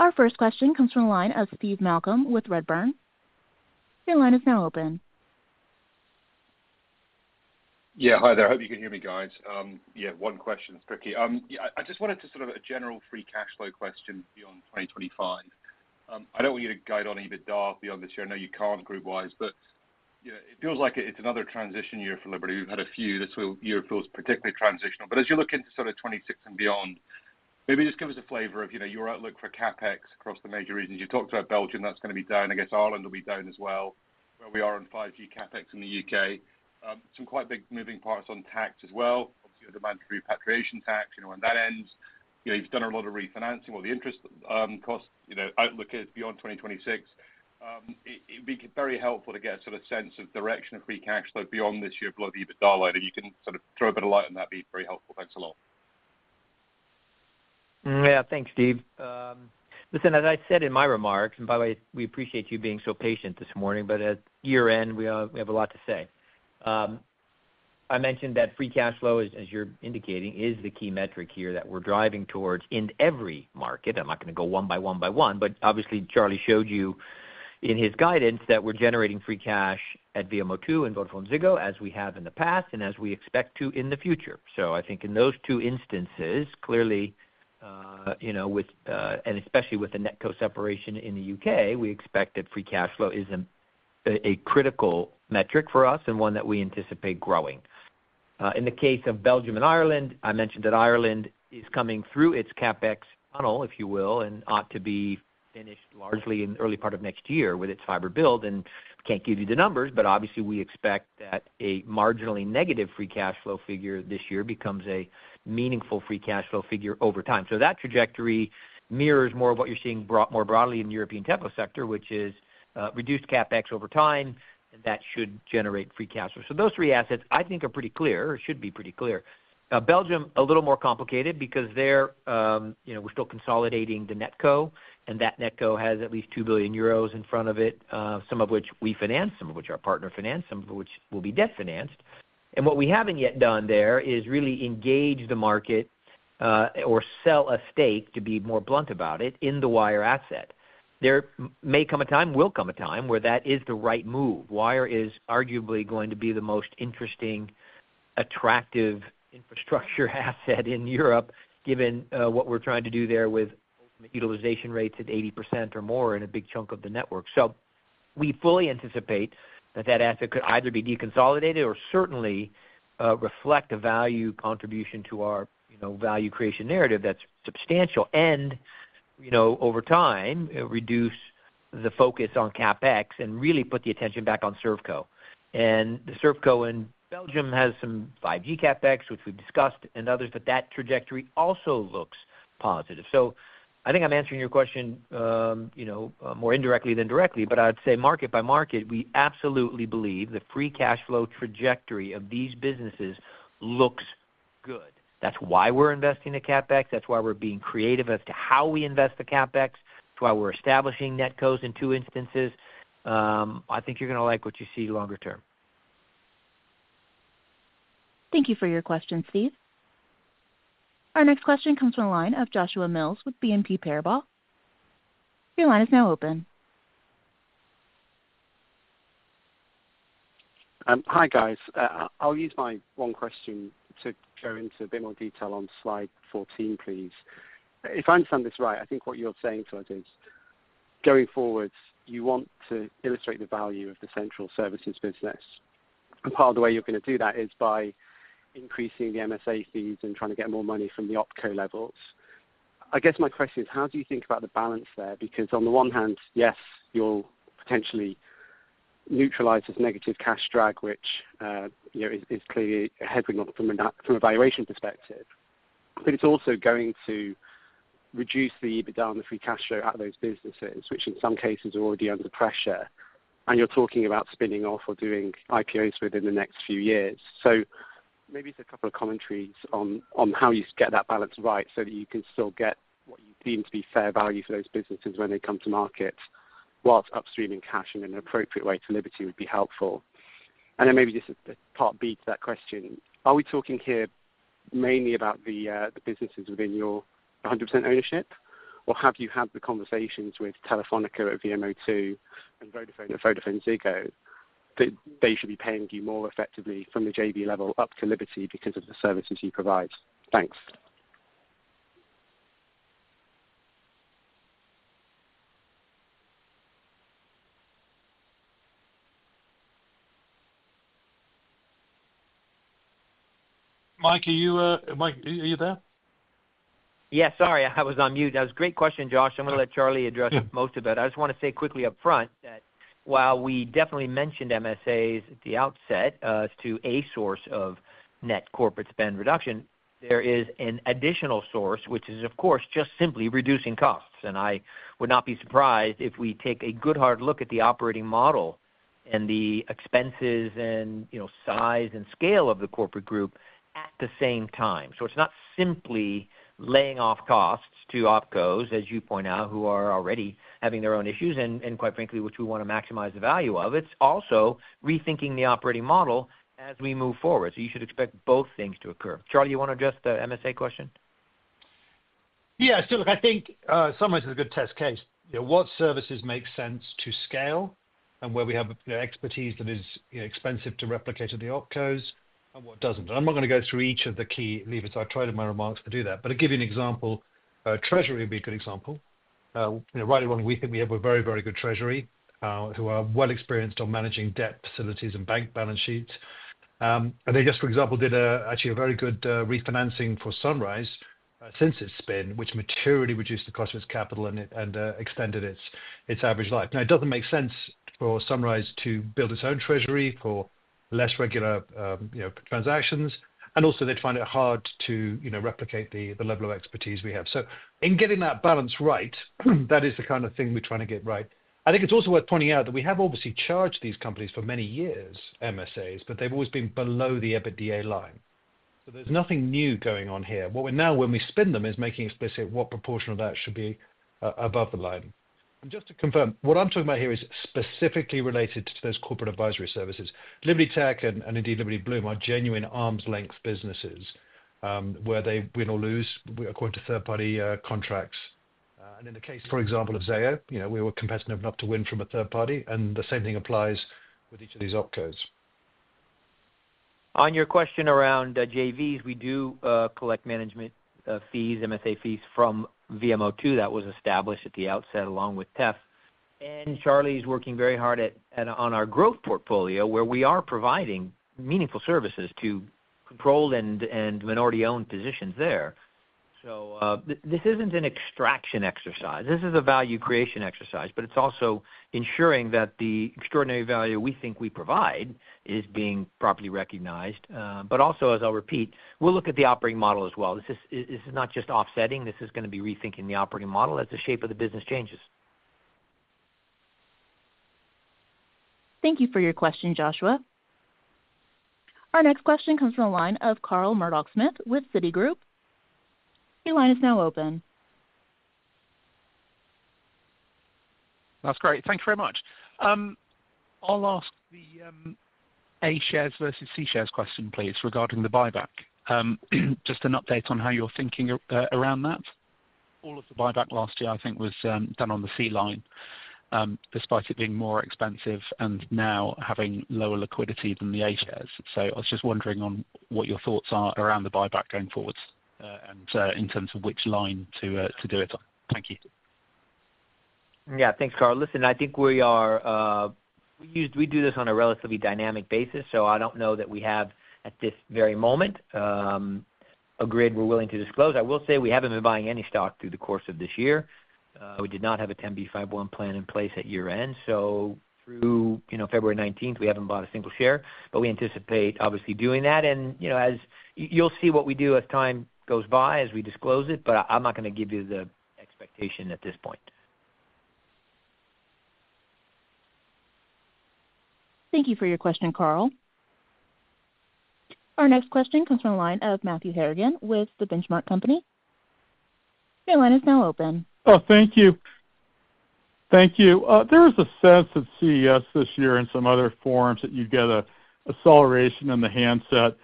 Our first question comes from a line of Steve Malcolm with Redburn. Your line is now open. Yeah, hi there. I hope you can hear me, guys. Yeah, one question, especially. I just wanted to sort of a general free cash flow question beyond 2025. I don't want you to guide on EBITDA or beyond this year. I know you can't guide group-wide, but it feels like it's another transition year for Liberty. We've had a few. This year feels particularly transitional. But as you look into sort of 2026 and beyond, maybe just give us a flavor of your outlook for CapEx across the major regions. You've talked about Belgium. That's going to be down. I guess Ireland will be down as well. Where are we on 5G CapEx in the U.K.? Some quite big moving parts on tax as well. Obviously, you have the mandatory repatriation tax, you know, on that end. You've done a lot of refinancing. Well, the interest cost outlook is beyond 2026. It'd be very helpful to get a sort of sense of direction of free cash flow beyond this year below the EBITDA line. If you can sort of throw a bit of light on that, it'd be very helpful. Thanks a lot. Yeah, thanks, Steve. Listen, as I said in my remarks, and by the way, we appreciate you being so patient this morning, but at year-end, we have a lot to say. I mentioned that free cash flow, as you're indicating, is the key metric here that we're driving towards in every market. I'm not going to go one by one by one, but obviously, Charlie showed you in his guidance that we're generating free cash at VMO2 and VodafoneZiggo, as we have in the past and as we expect to in the future. So I think in those two instances, clearly, you know, and especially with the NetCo separation in the U.K., we expect that free cash flow is a critical metric for us and one that we anticipate growing. In the case of Belgium and Ireland, I mentioned that Ireland is coming through its CapEx funnel, if you will, and ought to be finished largely in the early part of next year with its fiber build, and can't give you the numbers, but obviously, we expect that a marginally negative free cash flow figure this year becomes a meaningful free cash flow figure over time, so that trajectory mirrors more of what you're seeing more broadly in the European tech sector, which is reduced CapEx over time, and that should generate free cash flow, so those three assets, I think, are pretty clear or should be pretty clear. Belgium, a little more complicated because there, you know, we're still consolidating the NetCo, and that NetCo has at least 2 billion euros in front of it, some of which we finance, some of which our partner finances, some of which will be debt financed. And what we haven't yet done there is really engage the market or sell a stake, to be more blunt about it, in the Wyre asset. There may come a time, will come a time where that is the right move. Wyre is arguably going to be the most interesting, attractive infrastructure asset in Europe, given what we're trying to do there with utilization rates at 80% or more in a big chunk of the network. So we fully anticipate that that asset could either be deconsolidated or certainly reflect a value contribution to our value creation narrative that's substantial and, you know, over time, reduce the focus on CapEx and really put the attention back on ServCo. And the ServCo in Belgium has some 5G CapEx, which we've discussed, and others, but that trajectory also looks positive. I think I'm answering your question, you know, more indirectly than directly, but I'd say market by market, we absolutely believe the free cash flow trajectory of these businesses looks good. That's why we're investing in CapEx. That's why we're being creative as to how we invest the CapEx, to why we're establishing NetCos in two instances. I think you're going to like what you see longer term. Thank you for your question, Steve. Our next question comes from a line of Joshua Mills with BNP Paribas. Your line is now open. Hi, guys. I'll use my one question to go into a bit more detail on slide 14, please. If I understand this right, I think what you're saying to us is going forward, you want to illustrate the value of the central services business. And part of the way you're going to do that is by increasing the MSA fees and trying to get more money from the opco levels. I guess my question is, how do you think about the balance there? Because on the one hand, yes, you'll potentially neutralize this negative cash drag, which, you know, is clearly a heavy one from a valuation perspective. But it's also going to reduce the EBITDA and the free cash flow out of those businesses, which in some cases are already under pressure. And you're talking about spinning off or doing IPOs within the next few years. So maybe it's a couple of commentaries on how you get that balance right so that you can still get what you deem to be fair value for those businesses when they come to market while it's upstream in cash in an appropriate way to Liberty would be helpful. And then maybe just a part B to that question. Are we talking here mainly about the businesses within your 100% ownership, or have you had the conversations with Telefonica at VMO2 and Vodafone at VodafoneZiggo that they should be paying you more effectively from the JV level up to Liberty because of the services you provide? Thanks. Mike, are you there? Yes, sorry, I was on mute. That was a great question, Josh. I'm going to let Charlie address most of it. I just want to say quickly up front that while we definitely mentioned MSAs at the outset as to a source of net corporate spend reduction, there is an additional source, which is, of course, just simply reducing costs, and I would not be surprised if we take a good hard look at the operating model and the expenses and, you know, size and scale of the corporate group at the same time, so it's not simply laying off costs to opcos, as you point out, who are already having their own issues, and quite frankly, which we want to maximize the value of. It's also rethinking the operating model as we move forward, so you should expect both things to occur. Charlie, you want to address the MSA question? Yeah, so look, I think Sunrise is a good test case. What services make sense to scale and where we have expertise that is expensive to replicate to the opcos and what doesn't? And I'm not going to go through each of the key levers. I tried in my remarks to do that, but I'll give you an example. Treasury would be a good example. Right or wrong, we think we have a very, very good treasury who are well experienced on managing debt facilities and bank balance sheets. And they just, for example, did actually a very good refinancing for Sunrise since its spin, which materially reduced the cost of its capital and extended its average life. Now, it doesn't make sense for Sunrise to build its own treasury for less regular transactions. And also, they'd find it hard to replicate the level of expertise we have. So in getting that balance right, that is the kind of thing we're trying to get right. I think it's also worth pointing out that we have obviously charged these companies for many years, MSAs, but they've always been below the EBITDA line. So there's nothing new going on here. What we're now, when we spin them, is making explicit what proportion of that should be above the line. And just to confirm, what I'm talking about here is specifically related to those corporate advisory services. Liberty Tech and indeed Liberty Blume are genuine arm's length businesses where they win or lose according to third-party contracts. And in the case, for example, of Zayo, you know, we were competitive enough to win from a third party, and the same thing applies with each of these opcos. On your question around JVs, we do collect management fees, MSA fees from VMO2 that was established at the outset along with TEF. Charlie is working very hard on our growth portfolio, where we are providing meaningful services to controlled and minority-owned positions there. So this isn't an extraction exercise. This is a value creation exercise, but it's also ensuring that the extraordinary value we think we provide is being properly recognized. But also, as I'll repeat, we'll look at the operating model as well. This is not just offsetting. This is going to be rethinking the operating model as the shape of the business changes. Thank you for your question, Joshua. Our next question comes from a line of Carl Murdock-Smith with Citigroup. Your line is now open. That's great. Thanks very much. I'll ask the A shares versus C shares question, please, regarding the buyback. Just an update on how you're thinking around that. All of the buyback last year, I think, was done on the C line, despite it being more expensive and now having lower liquidity than the A shares. So I was just wondering on what your thoughts are around the buyback going forward and in terms of which line to do it. Thank you. Yeah, thanks, Carl. Listen, I think we do this on a relatively dynamic basis. So I don't know that we have, at this very moment, a grid we're willing to disclose. I will say we haven't been buying any stock through the course of this year. We did not have a 10b5-1 plan in place at year-end. So through, you know, February 19th, we haven't bought a single share, but we anticipate obviously doing that. You know, as you'll see what we do as time goes by as we disclose it, but I'm not going to give you the expectation at this point. Thank you for your question, Carl. Our next question comes from a line of Matthew Harrigan with the Benchmark Company. Your line is now open. Oh, thank you. Thank you. There is a sense of CES this year and some other forums that you get an acceleration in the handset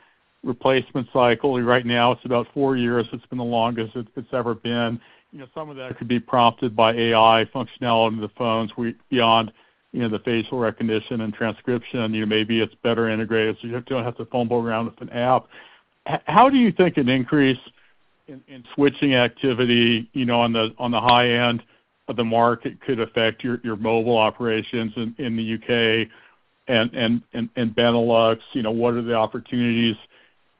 replacement cycle. Right now, it's about four years. It's been the longest it's ever been. You know, some of that could be prompted by AI functionality in the phones beyond, you know, the facial recognition and transcription. You know, maybe it's better integrated so you don't have to fumble around with an app. How do you think an increase in switching activity, you know, on the high end of the market could affect your mobile operations in the U.K. and Benelux? You know, what are the opportunities,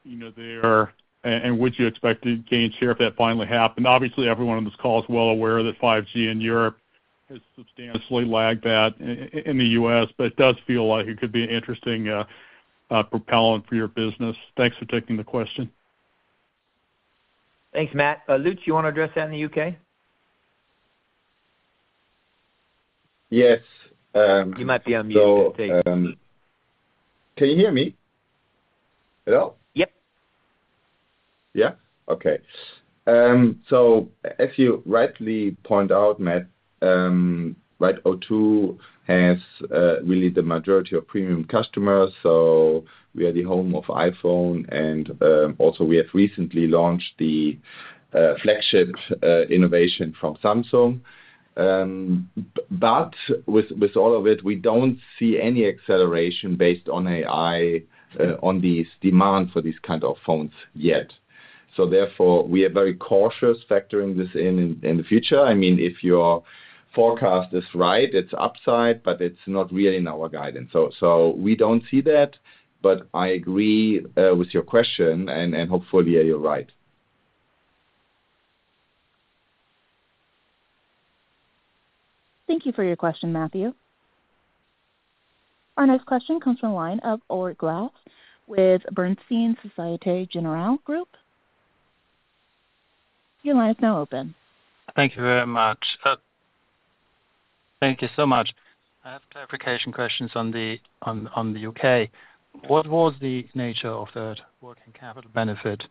you know, there? And would you expect to gain share if that finally happened? Obviously, everyone on this call is well aware that 5G in Europe has substantially lagged that in the U.S., but it does feel like it could be an interesting propellant for your business. Thanks for taking the question. Thanks, Matt. Lutz, you want to address that in the U.K.? Yes. You might be on mute. Can you hear me? Hello? Yep. Yeah? Okay. So as you rightly point out, Matt, right, O2 has really the majority of premium customers. So we are the home of iPhone, and also we have recently launched the flagship innovation from Samsung. But with all of it, we don't see any acceleration based on AI on these demands for these kinds of phones yet. So therefore, we are very cautious factoring this in in the future. I mean, if your forecast is right, it's upside, but it's not really in our guidance. So we don't see that, but I agree with your question, and hopefully, you're right. Thank you for your question, Matthew. Our next question comes from a line of Ulrich Rathe with Bernstein Société Générale Group. Your line is now open. Thank you very much. Thank you so much. I have clarification questions on the U.K. What was the nature of the working capital benefit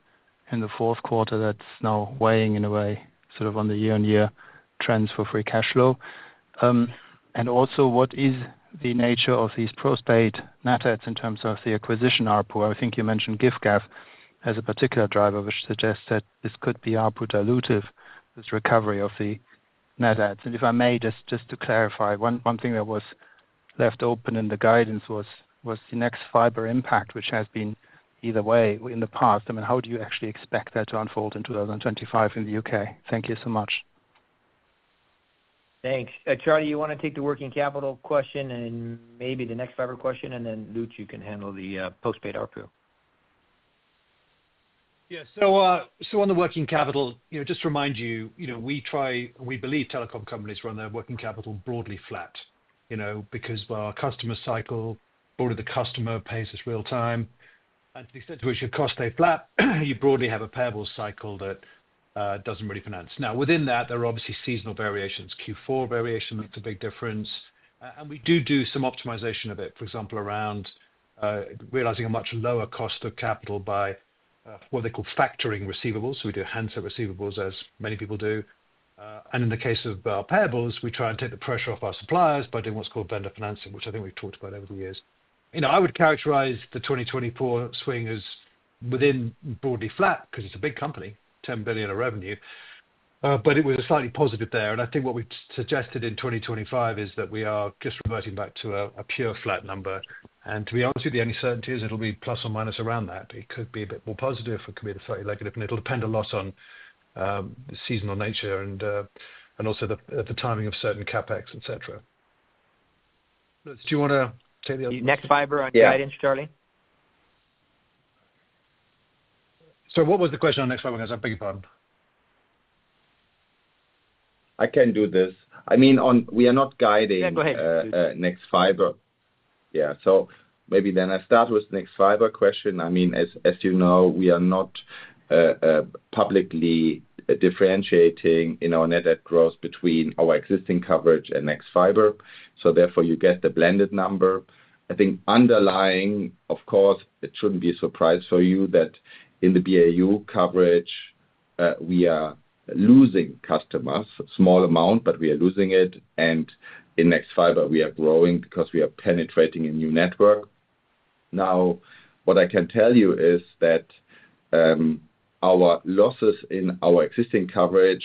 in the fourth quarter that's now weighing in a way sort of on the year-on-year trends for free cash flow? And also, what is the nature of these pro forma net adds in terms of the acquisition adds? I think you mentioned Giffgaff as a particular driver, which suggests that this could be add dilutive, this recovery of the net adds. And if I may, just to clarify, one thing that was left open in the guidance was the nexfibre impact, which has been either way in the past. I mean, how do you actually expect that to unfold in 2025 in the U.K.? Thank you so much. Thanks. Charlie, you want to take the working capital question and maybe the nexfibre question, and then Lutz, you can handle the postpaid adds. Yeah, so on the working capital, you know, just to remind you, you know, we try, we believe telecom companies run their working capital broadly flat, you know, because our customer cycle, broadly the customer pays us real time, and to the extent to which your costs stay flat, you broadly have a payable cycle that doesn't really finance. Now, within that, there are obviously seasonal variations, Q4 variation, that's a big difference. And we do do some optimization of it, for example, around realizing a much lower cost of capital by what they call factoring receivables. So we do handset receivables, as many people do. And in the case of our payables, we try and take the pressure off our suppliers by doing what's called vendor financing, which I think we've talked about over the years. You know, I would characterize the 2024 swing as within broadly flat because it's a big company, $10 billion of revenue. But it was a slightly positive there. And I think what we've suggested in 2025 is that we are just reverting back to a pure flat number. And to be honest with you, the only certainty is it'll be plus or minus around that. It could be a bit more positive. It could be slightly negative. And it'll depend a lot on the seasonal nature and also the timing of certain CapEx, etc. Do you want to take the nexfibre on guidance, Charlie? So what was the question on nexfibre? I'm thinking about it. I can do this. I mean, we are not guiding nexfibre. Yeah, so maybe then I start with nexfibre question. I mean, as you know, we are not publicly differentiating in our net growth between our existing coverage and nexfibre. So therefore, you get the blended number. I think underlying, of course, it shouldn't be a surprise for you that in the BAU coverage, we are losing customers, small amount, but we are losing it. And in nexfibre, we are growing because we are penetrating a new network. Now, what I can tell you is that our losses in our existing coverage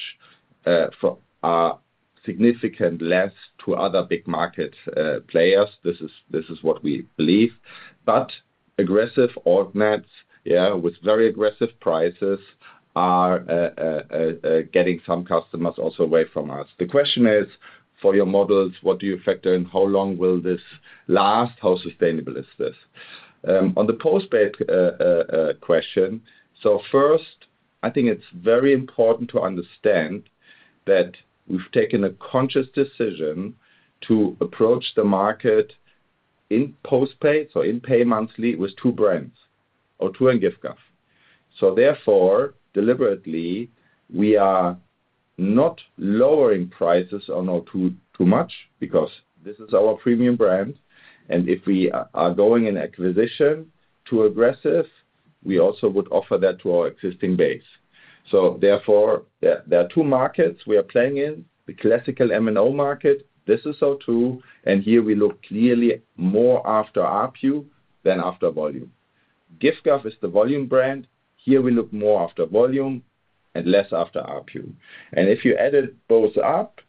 are significantly less than other big market players. This is what we believe. But aggressive alt-nets, yeah, with very aggressive prices are getting some customers also away from us. The question is, for your models, what do you factor in? How long will this last? How sustainable is this? On the postpaid question, so first, I think it's very important to understand that we've taken a conscious decision to approach the market in postpaid or in pay monthly with two brands, O2 and Giffgaff, so therefore, deliberately, we are not lowering prices on O2 too much because this is our premium brand, and if we are going in acquisition too aggressive, we also would offer that to our existing base, so therefore, there are two markets we are playing in. The classical MNO market, this is O2, and here we look clearly more after ARPU than after volume. Giffgaff is the volume brand. Here we look more after volume and less after ARPU, and if you added both up,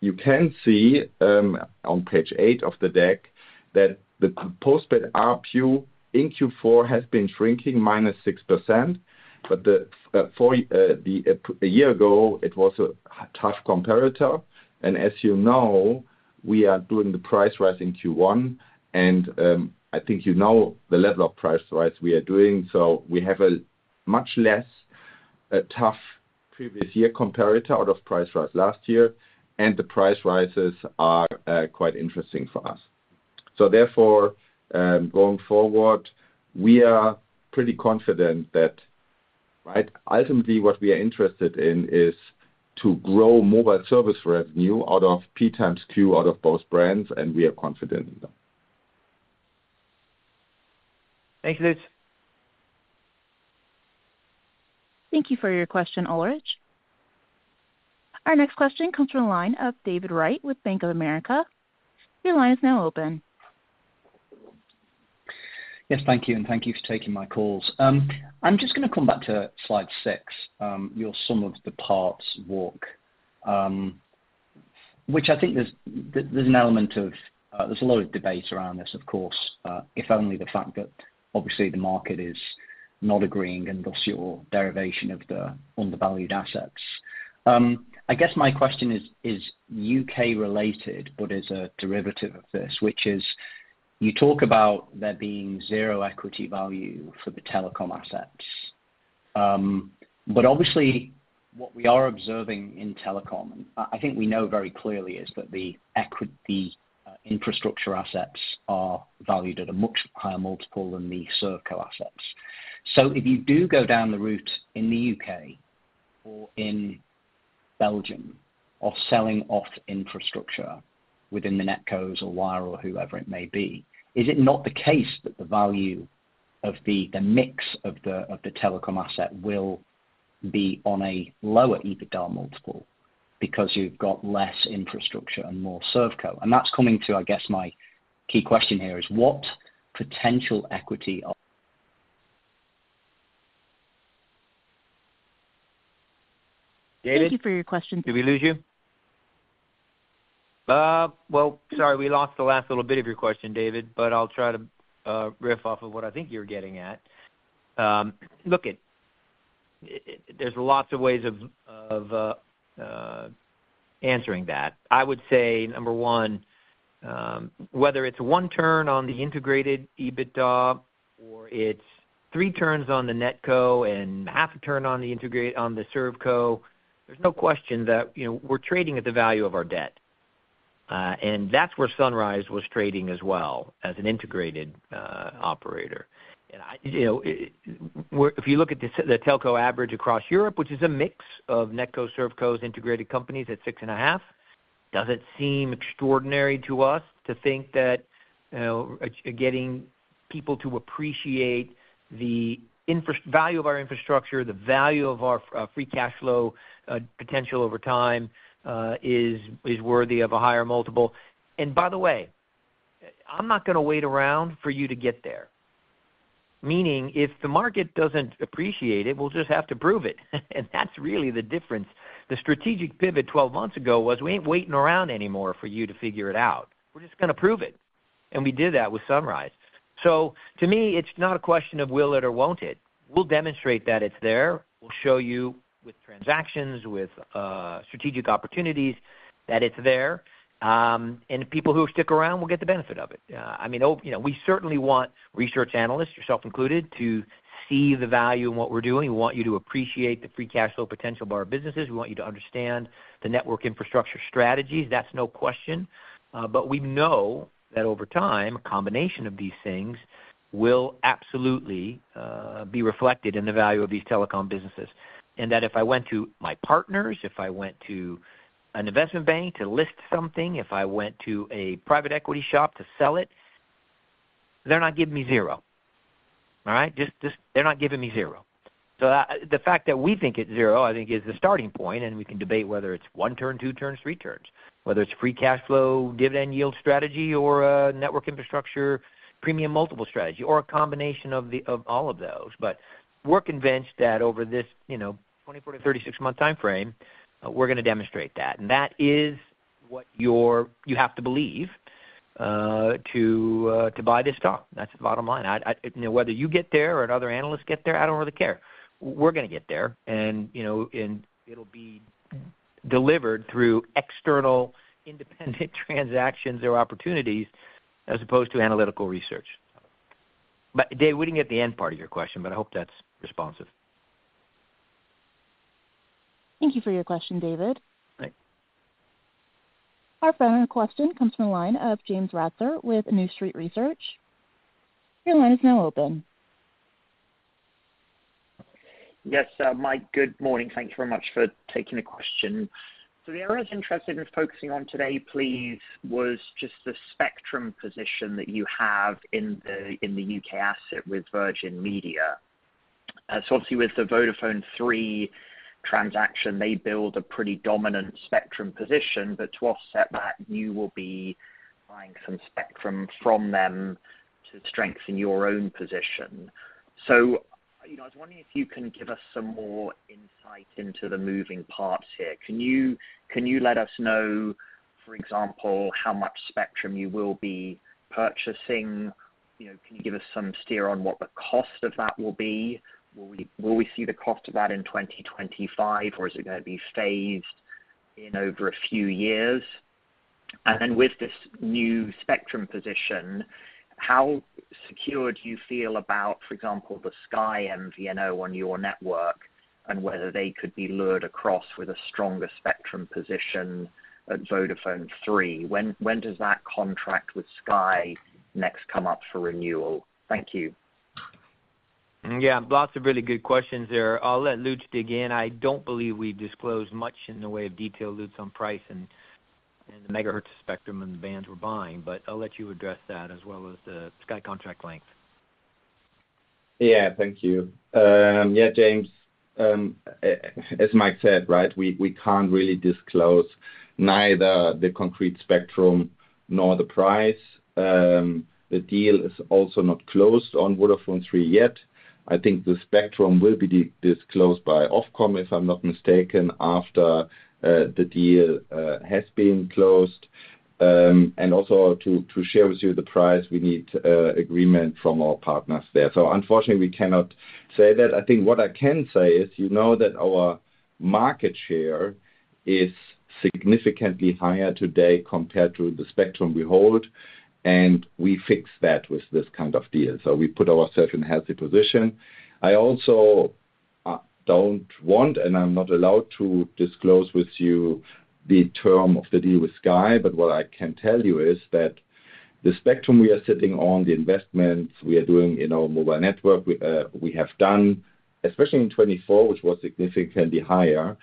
you can see on page eight of the deck that the postpaid ARPU in Q4 has been shrinking minus 6%. But the year ago, it was a tough comparator. And as you know, we are doing the price rise in Q1. And I think you know the level of price rise we are doing. So we have a much less tough previous year comparator out of price rise last year. And the price rises are quite interesting for us. So therefore, going forward, we are pretty confident that, right, ultimately what we are interested in is to grow mobile service revenue out of P X Q out of both brands. And we are confident in that. Thank you, Lutz. Thank you for your question, Ulrich. Our next question comes from a line of David Wright with Bank of America. Your line is now open. Yes, thank you. And thank you for taking my calls. I'm just going to come back to slide six, your sum-of-the-parts walk, which I think there's an element of. There's a lot of debate around this, of course, if only the fact that obviously the market is not agreeing and thus your derivation of the undervalued assets. I guess my question is U.K. related, but as a derivative of this, which is you talk about there being zero equity value for the telecom assets. But obviously what we are observing in telecom, I think we know very clearly is that the equity infrastructure assets are valued at a much higher multiple than the ServCo assets. So if you do go down the route in the U.K. or in Belgium of selling off infrastructure within the NetCos or Wyre or whoever it may be, is it not the case that the value of the mix of the telecom asset will be on a lower EBITDA multiple because you've got less infrastructure and more ServCo? And that's coming to, I guess my key question here is what potential equity. David, thank you for your question. Did we lose you? Well, sorry, we lost the last little bit of your question, David, but I'll try to riff off of what I think you're getting at. Look, there's lots of ways of answering that. I would say, number one, whether it's one turn on the integrated EBITDA or it's three turns on the NetCo and half a turn on the integrated on the ServCo, there's no question that, you know, we're trading at the value of our debt. And that's where Sunrise was trading as well as an integrated operator. And, you know, if you look at the telco average across Europe, which is a mix of NetCo ServCos integrated companies at six and a half, does it seem extraordinary to us to think that, you know, getting people to appreciate the value of our infrastructure, the value of our free cash flow potential over time is worthy of a higher multiple? And by the way, I'm not going to wait around for you to get there. Meaning if the market doesn't appreciate it, we'll just have to prove it. And that's really the difference. The strategic pivot 12 months ago was we ain't waiting around anymore for you to figure it out. We're just going to prove it. And we did that with Sunrise. So to me, it's not a question of will it or won't it. We'll demonstrate that it's there. We'll show you with transactions, with strategic opportunities that it's there. And people who stick around will get the benefit of it. I mean, you know, we certainly want research analysts, yourself included, to see the value in what we're doing. We want you to appreciate the free cash flow potential of our businesses. We want you to understand the network infrastructure strategies. That's no question. But we know that over time, a combination of these things will absolutely be reflected in the value of these telecom businesses. And that if I went to my partners, if I went to an investment bank to list something, if I went to a private equity shop to sell it, they're not giving me zero. All right? Just they're not giving me zero. So the fact that we think it's zero, I think is the starting point. And we can debate whether it's one turn, two turns, three turns, whether it's free cash flow, dividend yield strategy, or a network infrastructure premium multiple strategy, or a combination of all of those. But we're convinced that over this, you know, 24-36 month time frame, we're going to demonstrate that. And that is what you have to believe to buy this stock. That's the bottom line. You know, whether you get there or another analyst gets there, I don't really care. We're going to get there. And, you know, it'll be delivered through external independent transactions or opportunities as opposed to analytical research. But, David, we didn't get the end part of your question, but I hope that's responsive. Thank you for your question, David. Our final question comes from a line of James Ratzer with New Street Research. Your line is now open. Yes, Mike, good morning. Thanks very much for taking the question. So the area I was interested in focusing on today, please, was just the spectrum position that you have in the U.K. asset with Virgin Media. So obviously with the Vodafone Three transaction, they build a pretty dominant spectrum position. But to offset that, you will be buying some spectrum from them to strengthen your own position. So, you know, I was wondering if you can give us some more insight into the moving parts here. Can you let us know, for example, how much spectrum you will be purchasing? You know, can you give us some steer on what the cost of that will be? Will we see the cost of that in 2025, or is it going to be phased in over a few years? And then with this new spectrum position, how secured do you feel about, for example, the Sky MVNO on your network and whether they could be lured across with a stronger spectrum position at Vodafone Three? When does that contract with Sky next come up for renewal? Thank you. Yeah, lots of really good questions there. I'll let Lutz dig in. I don't believe we've disclosed much in the way of detail, Lutz, on price and the megahertz spectrum and the bands we're buying. But I'll let you address that as well as the Sky contract length. Yeah, thank you. Yeah, James, as Mike said, right, we can't really disclose neither the concrete spectrum nor the price. The deal is also not closed on VodafoneZiggo yet. I think the spectrum will be disclosed by Ofcom, if I'm not mistaken, after the deal has been closed. And also to share with you the price, we need agreement from our partners there. So unfortunately, we cannot say that. I think what I can say is, you know, that our market share is significantly higher today compared to the spectrum we hold. And we fixed that with this kind of deal. So we put ourselves in a healthy position. I also don't want, and I'm not allowed to disclose with you the terms of the deal with Sky, but what I can tell you is that the spectrum we are sitting on, the investments we are doing in our mobile network, we have done, especially in 2024, which was significantly higher,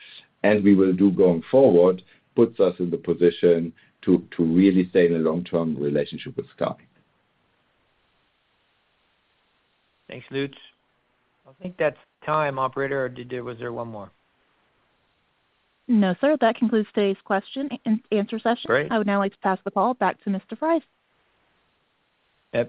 and we will do going forward, puts us in the position to really stay in a long-term relationship with Sky. Thanks, Lutz. I think that's time, operator. Or was there one more? No, sir, that concludes today's question and answer session. I would now like to pass the ball back to Mr. Fries.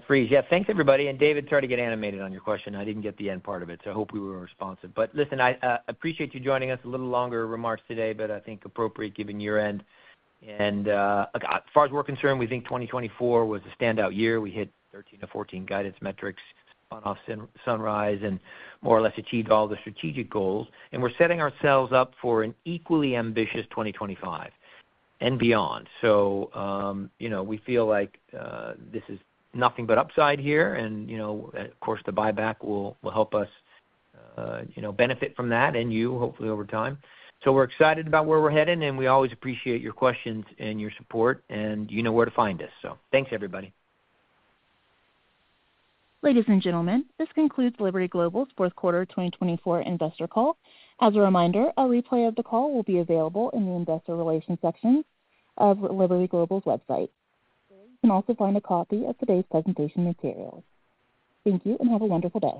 Please, yeah, thanks everybody and David, sorry to get animated on your question. I didn't get the end part of it, so I hope we were responsive. But listen, I appreciate you joining us. A little longer remarks today, but I think [it's] appropriate given your end. As far as we're concerned, we think 2024 was a standout year. We hit 13-14 guidance metrics on or off Sunrise and more or less achieved all the strategic goals. We're setting ourselves up for an equally ambitious 2025 and beyond. You know, we feel like this is nothing but upside here. Of course, the buyback will help us, you know, benefit from that and you hopefully over time. We're excited about where we're headed. We always appreciate your questions and your support. You know where to find us. Thanks, everybody. Ladies and gentlemen, this concludes Liberty Global's fourth quarter 2024 investor call. As a reminder, a replay of the call will be available in the investor relations section of Liberty Global's website. You can also find a copy of today's presentation material. Thank you and have a wonderful day.